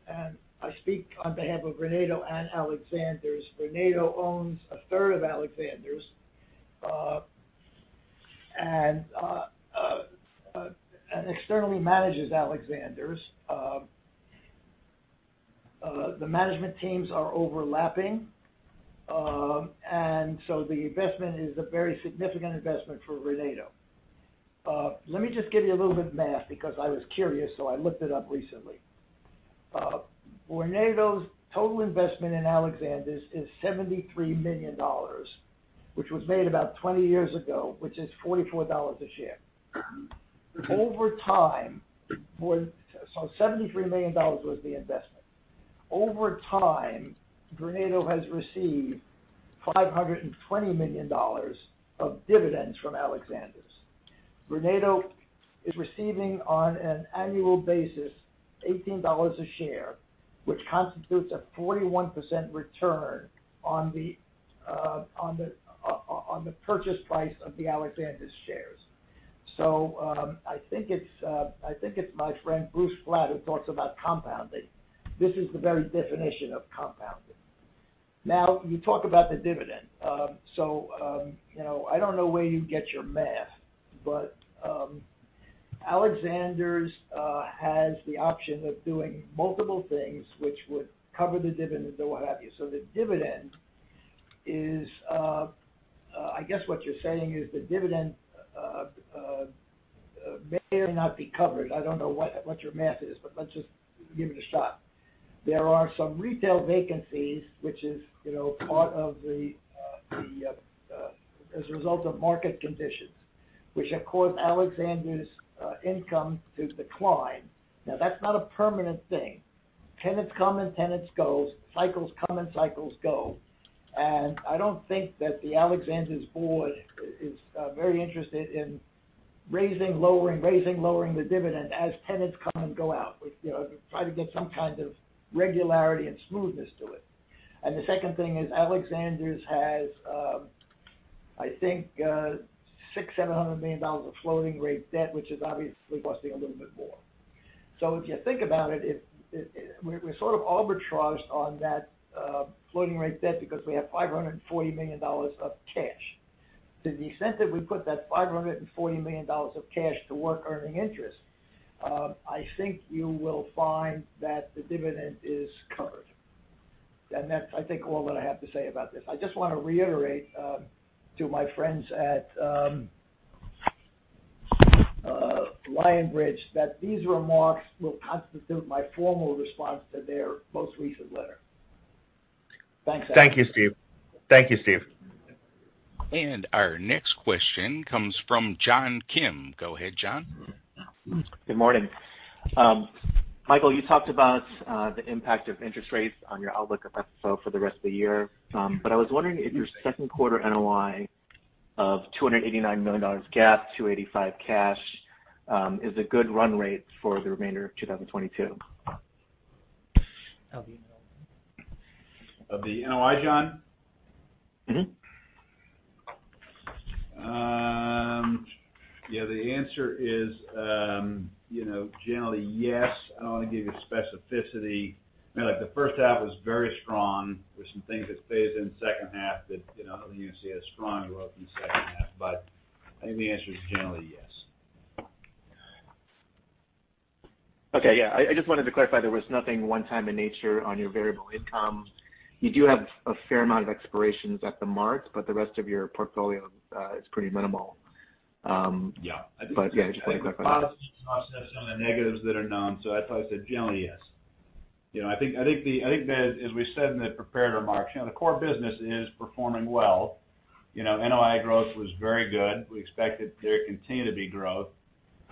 and I speak on behalf of Vornado and Alexander's. Vornado owns a third of Alexander's, and externally manages Alexander's. The management teams are overlapping, and the investment is a very significant investment for Vornado. Let me just give you a little bit of math because I was curious, so I looked it up recently. Vornado's total investment in Alexander's is $73 million, which was made about twenty years ago, which is $44 a share. Over time, seventy-three million dollars was the investment. Over time, Vornado has received $520 million of dividends from Alexander's. Vornado is receiving on an annual basis $18 a share, which constitutes a 41% return on the purchase price of the Alexander's shares. I think it's my friend Bruce Flatt who talks about compounding. This is the very definition of compounding. Now, you talk about the dividend. You know, I don't know where you get your math, but Alexander's has the option of doing multiple things which would cover the dividend and what have you. The dividend is, I guess what you're saying is the dividend may or may not be covered. I don't know what your math is, but let's just give it a shot. There are some retail vacancies, which is, you know, part of the result of market conditions, which have caused Alexander's income to decline. Now, that's not a permanent thing. Tenants come and tenants go. Cycles come and cycles go. I don't think that the Alexander's board is very interested in raising, lowering the dividend as tenants come and go out. We, you know, try to get some kind of regularity and smoothness to it. The second thing is Alexander's has, I think, $600-$700 million of floating rate debt, which is obviously costing a little bit more. If you think about it. We're sort of arbitraged on that floating rate debt because we have $540 million of cash. To the extent that we put that $540 million of cash to work earning interest, I think you will find that the dividend is covered. That's, I think, all that I have to say about this. I just wanna reiterate to my friends at Land & Buildings that these remarks will constitute my formal response to their most recent letter. Thanks, everyone. Thank you, Steve. Our next question comes from John Kim. Go ahead, John. Good morning. Michael, you talked about the impact of interest rates on your outlook of FFO for the rest of the year. I was wondering if your second quarter NOI of $289 million GAAP, $285 million cash, is a good run rate for the remainder of 2022. Of the NOI, John? Mm-hmm. Yeah, the answer is, you know, generally yes. I don't wanna give you specificity. You know, like, the first half was very strong. There's some things that phased in the second half that, you know, I don't think you're gonna see as strong a growth in the second half. I think the answer is generally yes. Okay. Yeah. I just wanted to clarify there was nothing one-time in nature on your variable income. You do have a fair amount of expirations at the Mart, but the rest of your portfolio is pretty minimal. Yeah. Yeah, just wanted to clarify. The positives offset some of the negatives that are known, so I'd probably say generally yes. You know, I think as we said in the prepared remarks, you know, the core business is performing well. You know, NOI growth was very good. We expect that there continue to be growth.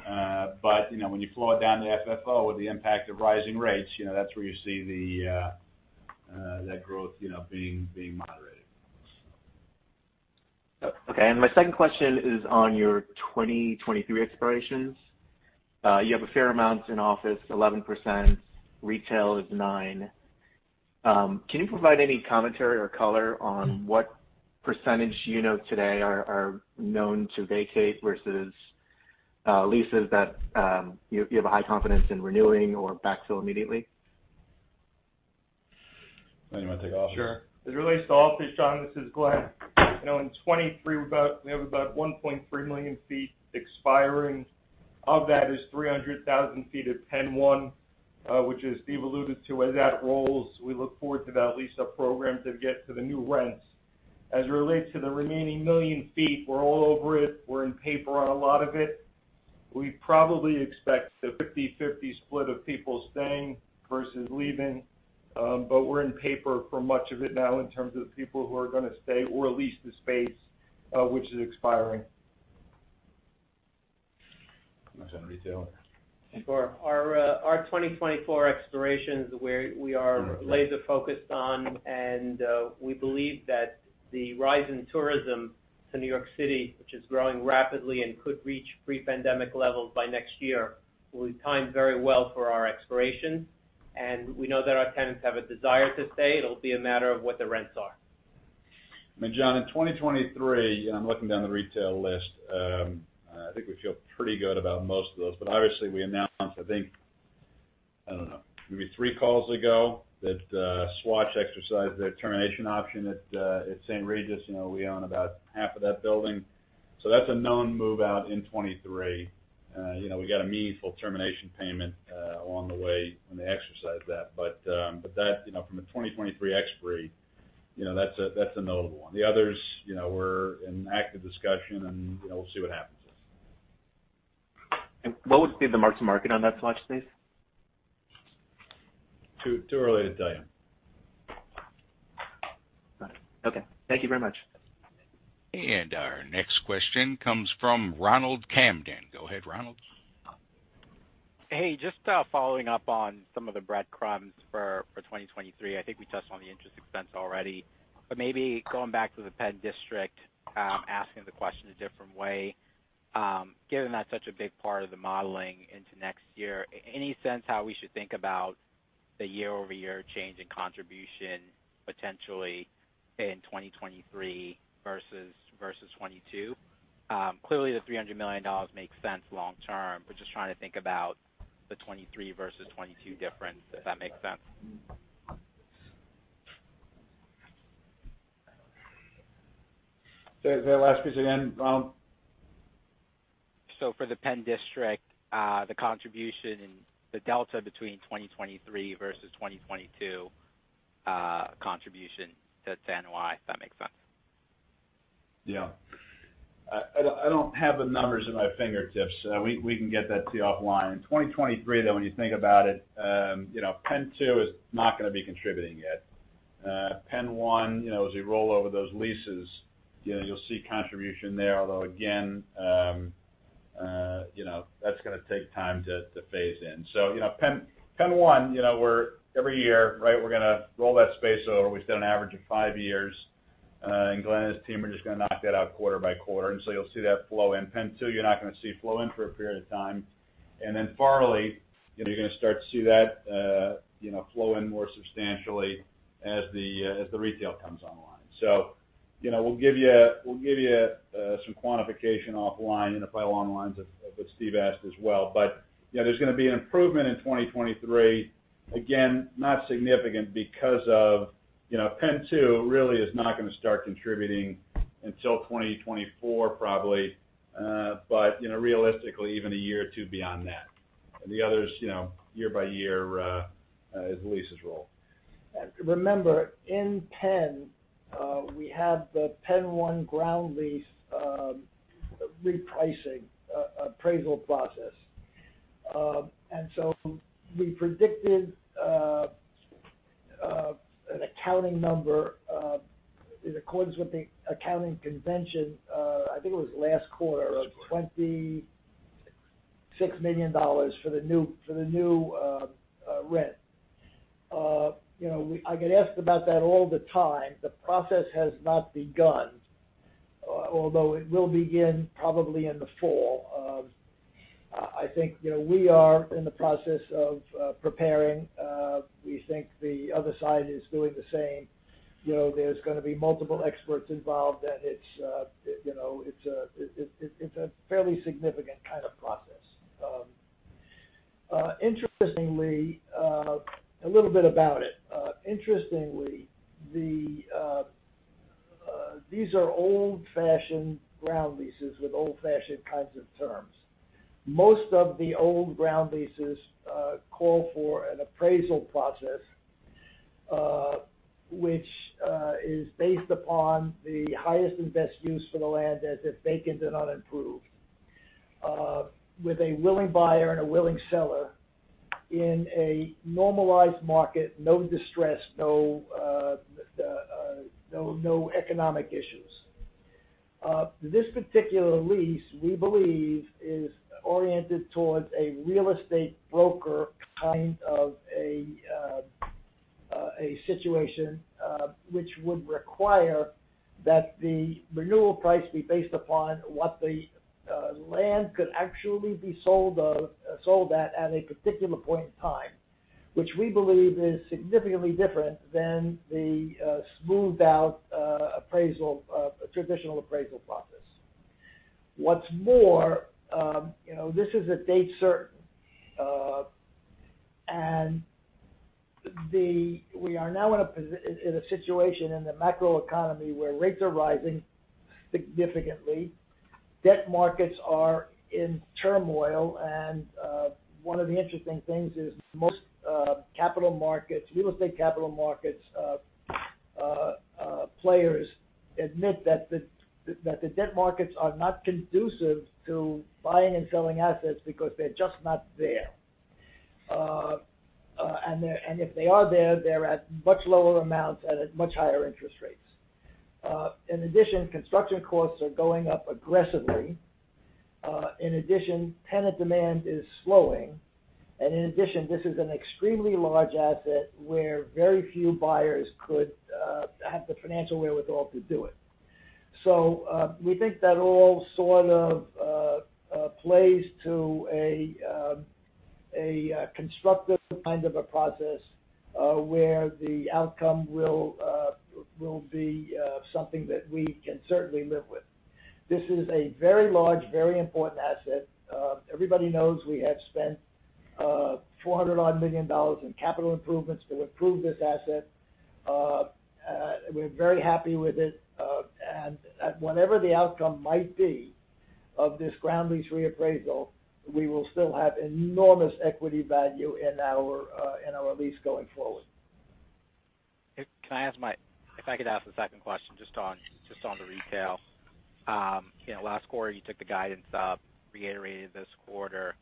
You know, when you flow it down to FFO with the impact of rising rates, you know, that's where you see that growth, you know, being moderated. Okay. My second question is on your 2023 expirations. You have a fair amount in office, 11%, retail is 9%. Can you provide any commentary or color on what percentage you know today are known to vacate versus leases that you have a high confidence in renewing or backfill immediately? You wanna take office? Sure. As it relates to office, John, this is Glenn. You know, in 2023 we have about 1.3 million sq ft expiring. Of that, 300,000 sq ft of Penn One, which as Steve alluded to, as that rolls, we look forward to that lease-up program to get to the new rents. As it relates to the remaining 1 million sq ft, we're all over it. We're in paper on a lot of it. We probably expect a 50/50 split of people staying versus leaving. But we're in paper for much of it now in terms of the people who are gonna stay or lease the space, which is expiring. You wanna take retail? Sure. Our 2024 expirations, we are laser focused on, and we believe that the rise in tourism to New York City, which is growing rapidly and could reach pre-pandemic levels by next year, will be timed very well for our expirations. We know that our tenants have a desire to stay. It'll be a matter of what the rents are. I mean, John, in 2023, I'm looking down the retail list. I think we feel pretty good about most of those. Obviously we announced, I think, I don't know, maybe three calls ago, that Swatch exercised their termination option at St. Regis. You know, we own about half of that building. That's a known move-out in 2023. You know, we got a meaningful termination payment along the way when they exercise that. That, you know, from a 2023 expiry, you know, that's a notable one. The others, you know, we're in active discussion and, you know, we'll see what happens. What would be the mark to market on that Swatch space? Too early to tell you. Got it. Okay. Thank you very much. Our next question comes from Ronald Kamdem. Go ahead, Ronald. Hey, just following up on some of the breadcrumbs for 2023. I think we touched on the interest expense already. Maybe going back to the Penn District, asking the question a different way. Given that's such a big part of the modeling into next year, any sense how we should think about the year-over-year change in contribution potentially in 2023 versus 2022? Clearly the $300 million makes sense long term. Just trying to think about the 2023 versus 2022 difference, if that makes sense. Say that last piece again, Ronald. For the Penn District, the contribution and the delta between 2023 versus 2022, contribution to NOI, if that makes sense. Yeah. I don't have the numbers at my fingertips. We can get that to you offline. In 2023 though, when you think about it, you know, PENN 2 is not gonna be contributing yet. PENN 1, you know, as we roll over those leases, you know, you'll see contribution there, although again, you know, that's gonna take time to phase in. You know, PENN 1, you know, every year, right, we're gonna roll that space over. We've done an average of five years. Glenn and his team are just gonna knock that out quarter by quarter. You'll see that flow in. PENN 2, you're not gonna see flow in for a period of time. Farley, you know, you're gonna start to see that, you know, flow in more substantially as the retail comes online. You know, we'll give you some quantification offline, and probably along the lines of what Steve asked as well. Yeah, there's gonna be an improvement in 2023. Again, not significant because of, you know, PENN 2 really is not gonna start contributing until 2024 probably. You know, realistically even a year or two beyond that. The others, you know, year by year, as the leases roll. Remember, in Penn, we have the PENN 1 ground lease, repricing, appraisal process. We predicted. An accounting number, in accordance with the accounting convention, I think it was last quarter of $26 million for the new rent. You know, I get asked about that all the time. The process has not begun, although it will begin probably in the fall. I think, you know, we are in the process of preparing. We think the other side is doing the same. You know, there's gonna be multiple experts involved, and it's a fairly significant kind of process. Interestingly, a little bit about it. Interestingly, these are old-fashioned ground leases with old-fashioned kinds of terms. Most of the old ground leases call for an appraisal process, which is based upon the highest and best use for the land as if vacant and unimproved, with a willing buyer and a willing seller in a normalized market, no distress, no economic issues. This particular lease, we believe, is oriented towards a real estate broker kind of a situation, which would require that the renewal price be based upon what the land could actually be sold at a particular point in time, which we believe is significantly different than the smoothed out traditional appraisal process. What's more, you know, this is a date certain. We are now in a situation in the macroeconomy where rates are rising significantly, debt markets are in turmoil, and one of the interesting things is most real estate capital markets players admit that the debt markets are not conducive to buying and selling assets because they're just not there. If they are there, they're at much lower amounts and at much higher interest rates. In addition, construction costs are going up aggressively. In addition, tenant demand is slowing. In addition, this is an extremely large asset where very few buyers could have the financial wherewithal to do it. We think that all sort of plays to a constructive kind of a process where the outcome will be something that we can certainly live with. This is a very large, very important asset. Everybody knows we have spent $400-odd million in capital improvements to improve this asset. We're very happy with it. Whatever the outcome might be of this ground lease reappraisal, we will still have enormous equity value in our lease going forward. Can I ask if I could ask a second question just on the retail. You know, last quarter, you took the guidance up, reiterated this quarter.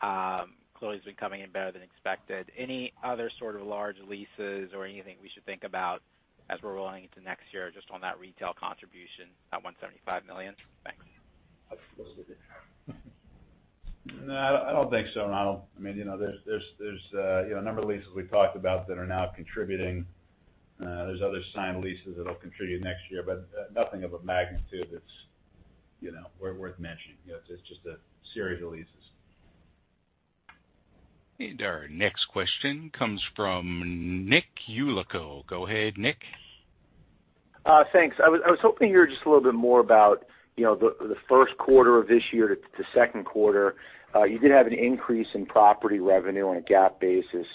Clearly it's been coming in better than expected. Any other sort of large leases or anything we should think about as we're rolling into next year just on that retail contribution, that $175 million? Thanks. No, I don't think so, Ronald. I mean, you know, there's, you know, a number of leases we've talked about that are now contributing. There's other signed leases that'll contribute next year, but nothing of a magnitude that's, you know, worth mentioning. You know, it's just a series of leases. Our next question comes from Nick Yulico. Go ahead, Nick. Thanks. I was hoping to hear just a little bit more about, you know, the first quarter of this year to second quarter. You did have an increase in property revenue on a GAAP basis.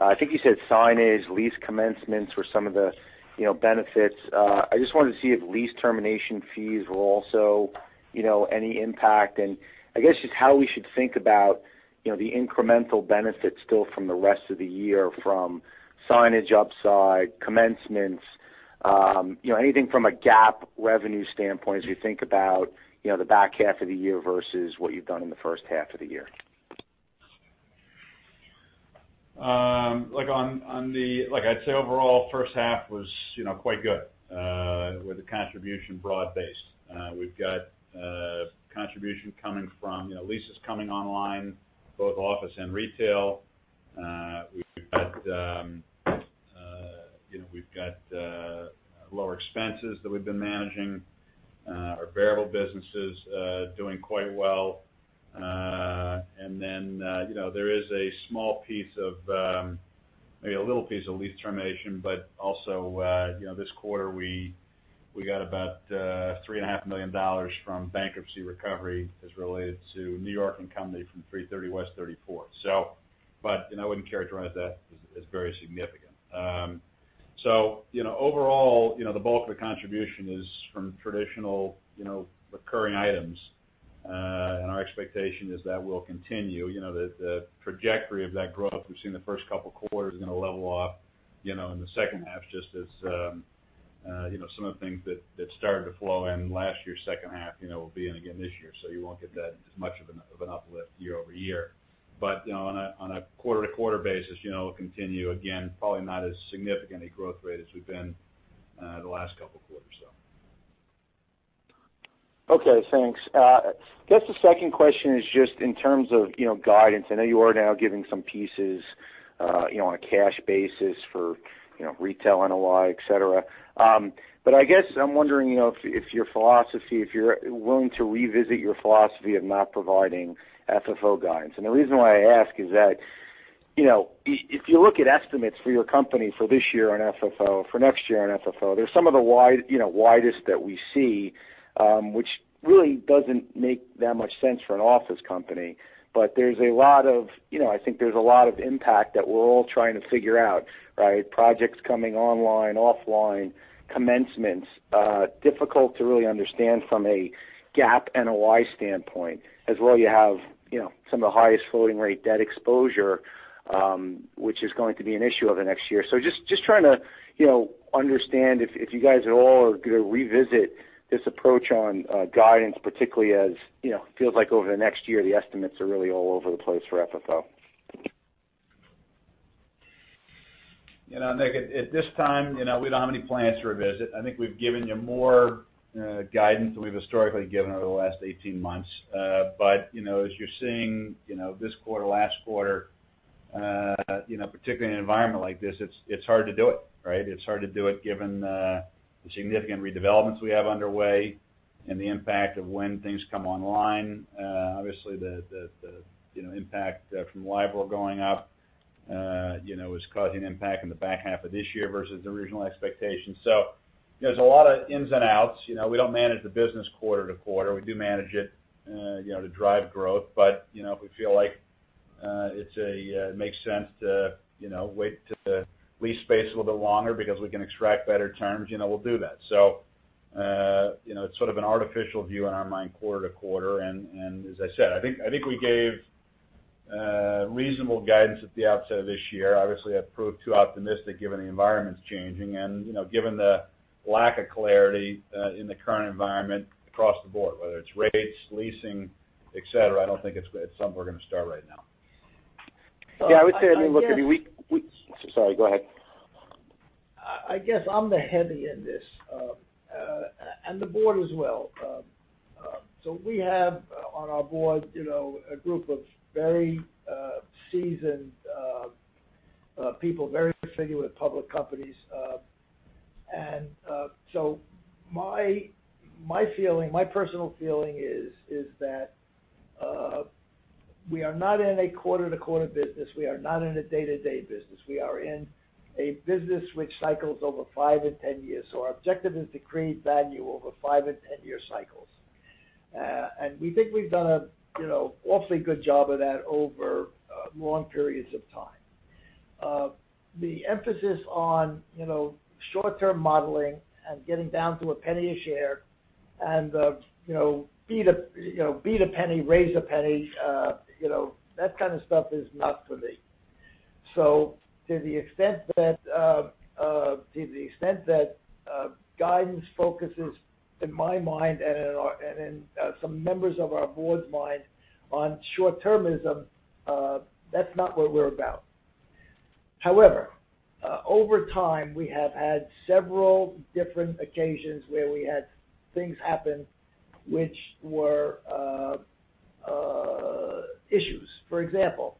I think you said signage, lease commencements were some of the, you know, benefits. I just wanted to see if lease termination fees were also, you know, any impact. I guess just how we should think about, you know, the incremental benefits still from the rest of the year from signage upside, commencements, you know, anything from a GAAP revenue standpoint as we think about, you know, the back half of the year versus what you've done in the first half of the year. Look, like I'd say overall, first half was, you know, quite good with the contribution broad-based. We've got contribution coming from, you know, leases coming online, both office and retail. We've got lower expenses that we've been managing. Our variable business is doing quite well. There is a small piece of, maybe a little piece of lease termination, but also, you know, this quarter, we got about $3.5 million from bankruptcy recovery as related to New York & Company from 330 West 34th. But, you know, I wouldn't characterize that as very significant. Overall, you know, the bulk of the contribution is from traditional, you know, recurring items. Our expectation is that will continue. You know, the trajectory of that growth we've seen the first couple quarters is gonna level off, you know, in the second half just as you know, some of the things that started to flow in last year, second half, you know, will be in again this year. You won't get that as much of an uplift year-over-year. You know, on a quarter-to-quarter basis, you know, it'll continue. Again, probably not as significant a growth rate as we've been the last couple of quarters. Okay, thanks. I guess the second question is just in terms of, you know, guidance. I know you are now giving some pieces, you know, on a cash basis for, you know, retail NOI, et cetera. I guess I'm wondering, you know, if your philosophy, if you're willing to revisit your philosophy of not providing FFO guidance. The reason why I ask is that, you know, if you look at estimates for your company for this year on FFO, for next year on FFO, there's some of the widest that we see, which really doesn't make that much sense for an office company. There's a lot of, you know, I think there's a lot of impact that we're all trying to figure out, right? Projects coming online, offline, commencements, difficult to really understand from a GAAP NOI standpoint, as well, you know, some of the highest floating rate debt exposure, which is going to be an issue over the next year. Just trying to, you know, understand if you guys at all are gonna revisit this approach on guidance, particularly as, you know, it feels like over the next year, the estimates are really all over the place for FFO. You know, Nick, at this time, you know, we don't have any plans to revisit. I think we've given you more guidance than we've historically given over the last 18 months. You know, as you're seeing, you know, this quarter, last quarter, you know, particularly in an environment like this, it's hard to do it, right? It's hard to do it given the significant redevelopments we have underway and the impact of when things come online. Obviously, the impact from LIBOR going up, you know, is causing impact in the back half of this year versus original expectations. There's a lot of ins and outs. You know, we don't manage the business quarter to quarter. We do manage it, you know, to drive growth. You know, if we feel like it makes sense to wait to lease space a little bit longer because we can extract better terms, you know, we'll do that. You know, it's sort of an artificial view in our mind quarter to quarter. As I said, I think we gave reasonable guidance at the outset of this year. Obviously, that proved too optimistic given the environment's changing. You know, given the lack of clarity in the current environment across the board, whether it's rates, leasing, et cetera, I don't think it's something we're gonna start right now. Yeah, I would say, I mean, look, I mean I guess. Sorry, go ahead. I guess I'm the heavy in this, and the board as well. We have on our board, you know, a group of very seasoned people, very familiar with public companies. My feeling, my personal feeling is that we are not in a quarter-to-quarter business. We are not in a day-to-day business. We are in a business which cycles over five and 10 years. Our objective is to create value over five and 10-year cycles. We think we've done a, you know, awfully good job of that over long periods of time. The emphasis on, you know, short-term modeling and getting down to a penny a share and, you know, beat a penny, raise a penny, you know, that kind of stuff is not for me. To the extent that guidance focuses, in my mind and in some members of our board's mind, on short-termism, that's not what we're about. However, over time, we have had several different occasions where we had things happen which were issues. For example,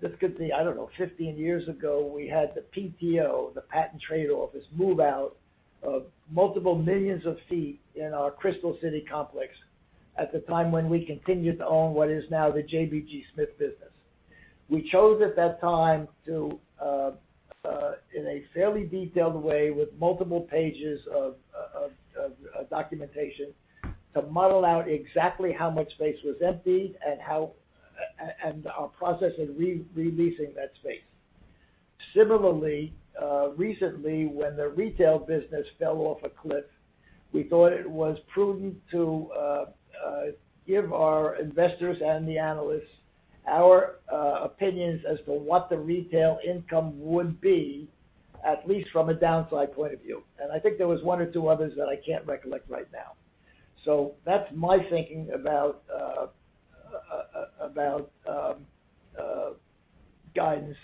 this could be, I don't know, 15 years ago, we had the USPTO, the United States Patent and Trademark Office, move out, multiple millions of feet in our Crystal City complex at the time when we continued to own what is now the JBG SMITH business. We chose at that time to in a fairly detailed way with multiple pages of documentation to model out exactly how much space was emptied and how and our process in re-releasing that space. Similarly, recently, when the retail business fell off a cliff, we thought it was prudent to give our investors and the analysts our opinions as to what the retail income would be, at least from a downside point of view. I think there was one or two others that I can't recollect right now. That's my thinking about guidance.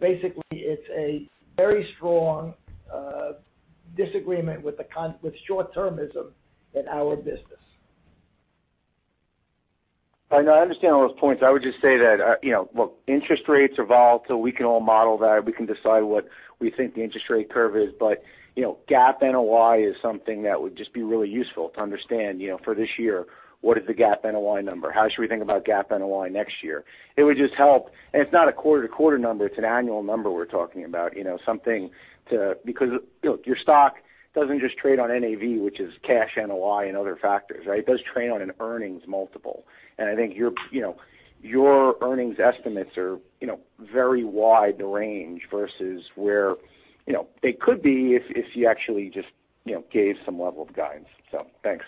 Basically, it's a very strong disagreement with short-termism in our business. I know, I understand all those points. I would just say that, you know, look, interest rates are volatile. We can all model that. We can decide what we think the interest rate curve is. You know, GAAP NOI is something that would just be really useful to understand, you know, for this year, what is the GAAP NOI number? How should we think about GAAP NOI next year? It would just help. It's not a quarter-to-quarter number, it's an annual number we're talking about, you know, something. Because, look, your stock doesn't just trade on NAV, which is cash NOI and other factors, right? It does trade on an earnings multiple. I think your, you know, your earnings estimates are, you know, very wide range versus where, you know, they could be if you actually just, you know, gave some level of guidance. Thanks.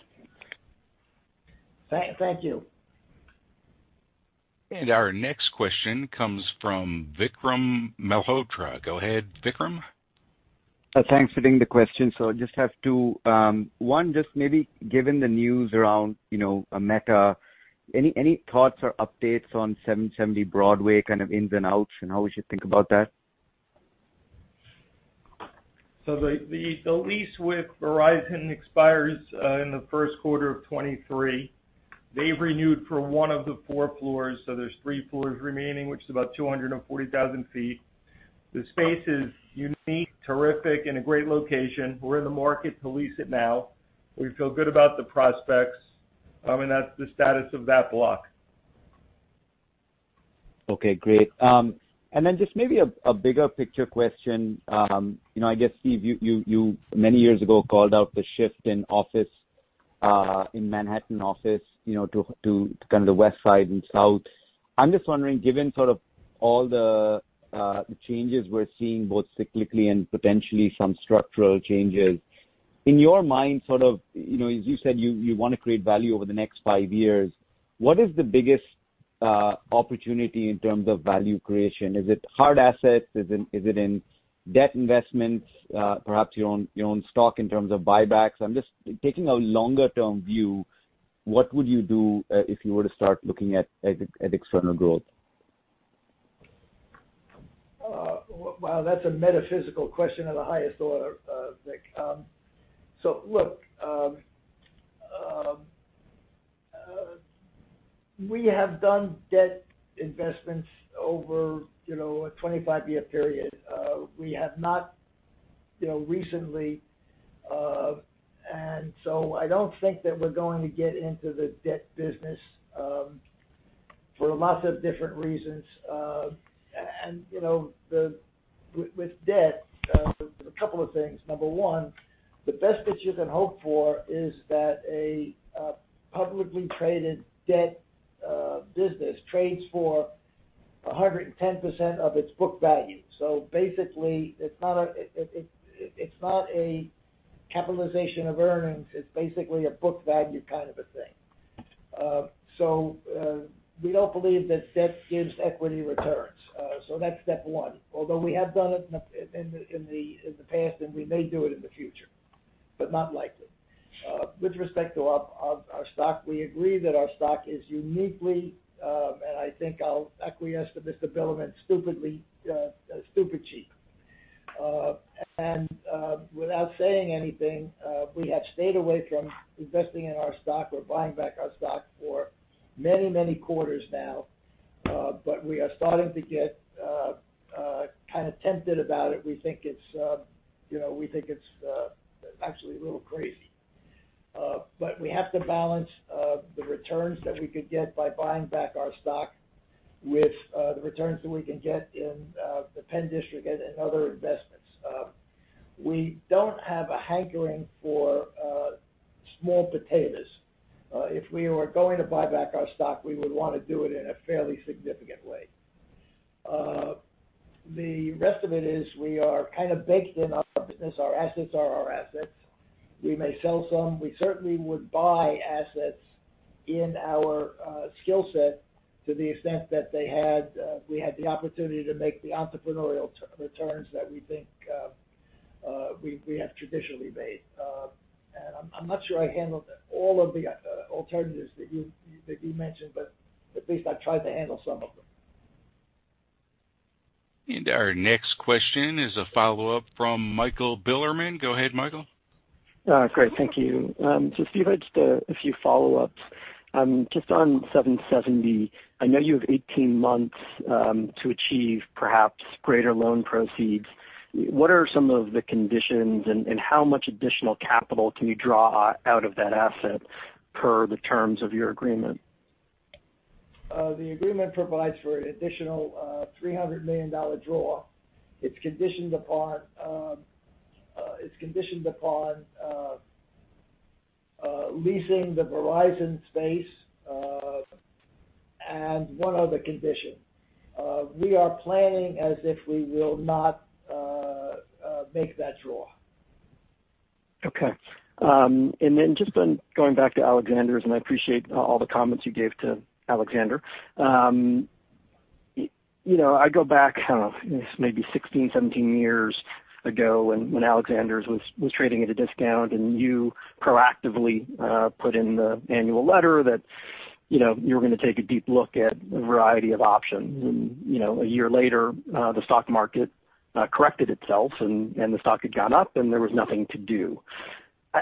Thank you. Our next question comes from Vikram Malhotra. Go ahead, Vikram. Thanks for taking the question. I just have two. One, just maybe given the news around, you know, Meta, any thoughts or updates on 770 Broadway kind of ins and outs, and how we should think about that? The lease with Verizon expires in the first quarter of 2023. They've renewed for one of the four floors, so there's three floors remaining, which is about 240,000 sq ft. The space is unique, terrific, in a great location. We're in the market to lease it now. We feel good about the prospects. That's the status of that block. Okay, great. Just maybe a bigger picture question. You know, I guess, Steve, you many years ago called out the shift in office in Manhattan office, you know, to kind of the West Side and South. I'm just wondering, given sort of all the changes we're seeing, both cyclically and potentially some structural changes, in your mind, sort of, you know, as you said, you wanna create value over the next five years. What is the biggest opportunity in terms of value creation? Is it hard assets? Is it in debt investments? Perhaps your own stock in terms of buybacks? I'm just taking a longer term view, what would you do if you were to start looking at external growth? Wow, that's a metaphysical question of the highest order, Vikram. Look, we have done debt investments over, you know, a 25-year period. We have not, you know, recently, and I don't think that we're going to get into the debt business for lots of different reasons. With debt, a couple of things. Number one, the best that you can hope for is that a publicly traded debt business trades for 110% of its book value. Basically, it's not a capitalization of earnings. It's basically a book value kind of a thing. We don't believe that debt gives equity returns. That's step one. Although we have done it in the past, and we may do it in the future but not likely. With respect to our stock, we agree that our stock is uniquely, and I think I'll acquiesce to Mr. Bilerman, stupidly super cheap. Without saying anything, we have stayed away from investing in our stock or buying back our stock for many quarters now, but we are starting to get kind of tempted about it. We think it's, you know, actually a little crazy. We have to balance the returns that we could get by buying back our stock with the returns that we can get in the Penn district and other investments. We don't have a hankering for small potatoes. If we were going to buy back our stock, we would wanna do it in a fairly significant way. The rest of it is we are kind of baked in our business. Our assets are our assets. We may sell some. We certainly would buy assets in our skill set to the extent that we had the opportunity to make the entrepreneurial returns that we think we have traditionally made. I'm not sure I handled all of the alternatives that you mentioned, but at least I tried to handle some of them. Our next question is a follow-up from Michael Bilerman. Go ahead, Michael. Great. Thank you. Steve, I just have a few follow-ups. Just on 770, I know you have 18 months to achieve perhaps greater loan proceeds. What are some of the conditions, and how much additional capital can you draw out of that asset per the terms of your agreement? The agreement provides for an additional $300 million draw. It's conditioned upon leasing the Verizon space and one other condition. We are planning as if we will not make that draw. Okay. Just on going back to Alexander's, I appreciate all the comments you gave to Alexander. You know, I go back, I don't know, maybe 16, 17 years ago when Alexander's was trading at a discount, and you proactively put in the annual letter that, you know, you were gonna take a deep look at a variety of options. A year later, the stock market corrected itself and the stock had gone up, and there was nothing to do.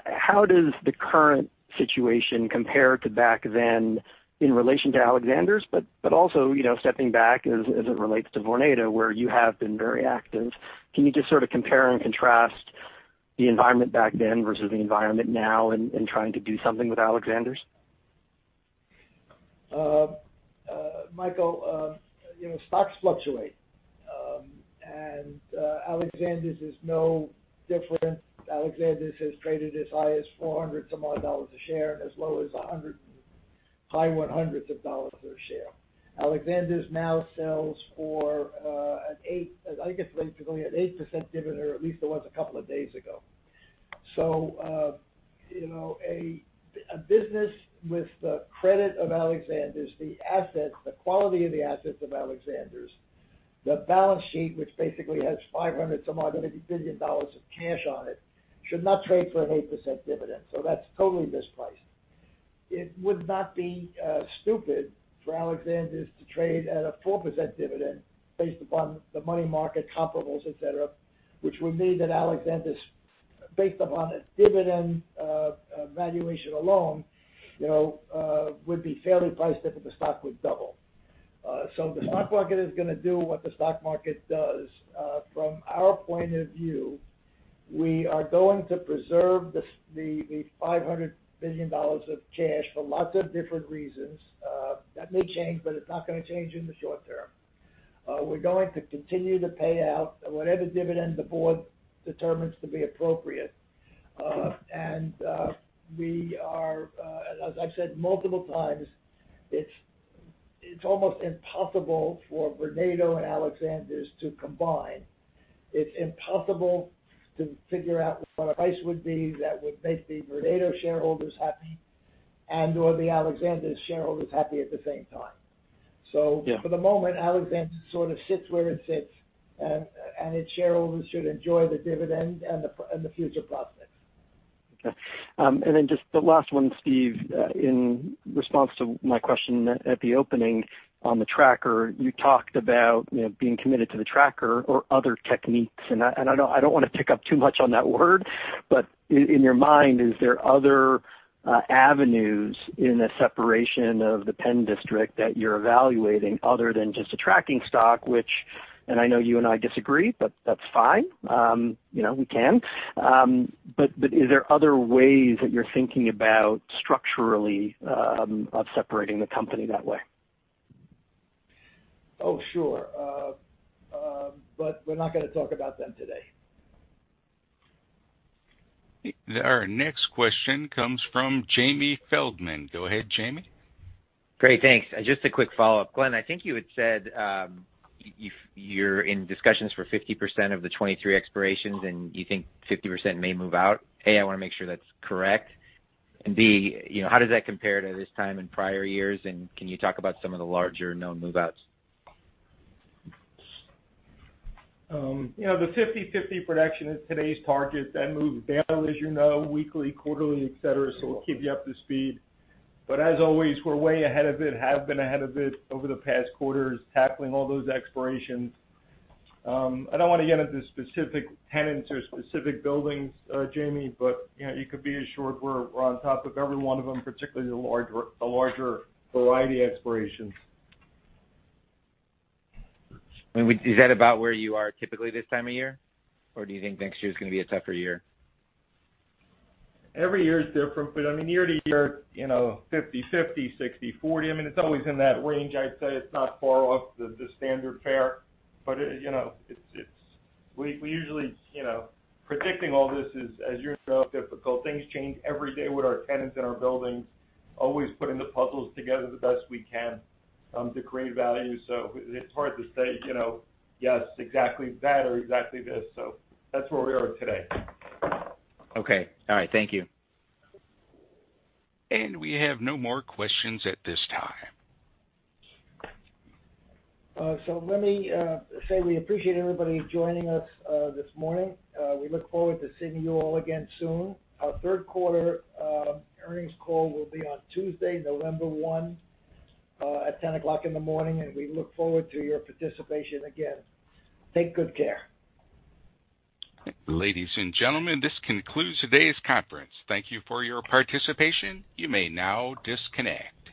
How does the current situation compare to back then in relation to Alexander's, but also, you know, stepping back as it relates to Vornado, where you have been very active? Can you just sort of compare and contrast the environment back then versus the environment now in trying to do something with Alexander's? Michael, you know, stocks fluctuate. Alexander's is no different. Alexander's has traded as high as $400-some-odd a share and as low as $100, high 100s of dollars per share. Alexander's now sells for an 8% dividend, I guess basically, or at least it was a couple of days ago. You know, a business with the credit of Alexander's, the assets, the quality of the assets of Alexander's, the balance sheet, which basically has $500-some-odd billion of cash on it, should not trade for an 8% dividend. That's totally misplaced. It would not be stupid for Alexander's to trade at a 4% dividend based upon the money market comparables, et cetera, which would mean that Alexander's, based upon its dividend, valuation alone, you know, would be fairly priced if the stock would double. The stock market is gonna do what the stock market does. From our point of view, we are going to preserve the $500 billion of cash for lots of different reasons. That may change, but it's not gonna change in the short term. We're going to continue to pay out whatever dividend the board determines to be appropriate. As I said multiple times, it's almost impossible for Vornado and Alexander's to combine. It's impossible to figure out what a price would be that would make the Vornado shareholders happy and/or the Alexander's shareholders happy at the same time. Yeah. For the moment, Alexander's sort of sits where it sits, and its shareholders should enjoy the dividend and the future prospects. Okay. And then just the last one, Steve. In response to my question at the opening on the tracker, you talked about, you know, being committed to the tracker or other techniques, and I don't wanna pick up too much on that word. But in your mind, is there other avenues in the separation of the Penn District that you're evaluating other than just a tracking stock. I know you and I disagree, but that's fine. You know, we can. But is there other ways that you're thinking about structurally of separating the company that way? Oh, sure. We're not gonna talk about them today. Our next question comes from Jamie Feldman. Go ahead, Jamie. Great. Thanks. Just a quick follow-up. Glenn, I think you had said, you're in discussions for 50% of the 23 expirations, and you think 50% may move out. A, I wanna make sure that's correct. B, you know, how does that compare to this time in prior years? And can you talk about some of the larger known move-outs? You know, the 50/50 production is today's target. That moves down, as you know, weekly, quarterly, et cetera. We'll keep you up to speed. As always, we're way ahead of it, have been ahead of it over the past quarters, tackling all those expirations. I don't wanna get into specific tenants or specific buildings, Jamie, but you know, you could be assured we're on top of every one of them, particularly a larger variety expirations. Is that about where you are typically this time of year, or do you think next year is gonna be a tougher year? Every year is different, but I mean, year to year, you know, 50/50, 60/40. I mean, it's always in that range. I'd say it's not far off the standard fare, but you know, it's. You know, predicting all this is, as you know, difficult. Things change every day with our tenants and our buildings, always putting the pieces together the best we can to create value. It's hard to say, you know, yes, exactly that or exactly this. That's where we are today. Okay. All right. Thank you. We have no more questions at this time. Let me say we appreciate everybody joining us this morning. We look forward to seeing you all again soon. Our third quarter earnings call will be on Tuesday, November 1 at 10:00 A.M., and we look forward to your participation again. Take good care. Ladies and gentlemen, this concludes today's conference. Thank you for your participation. You may now disconnect.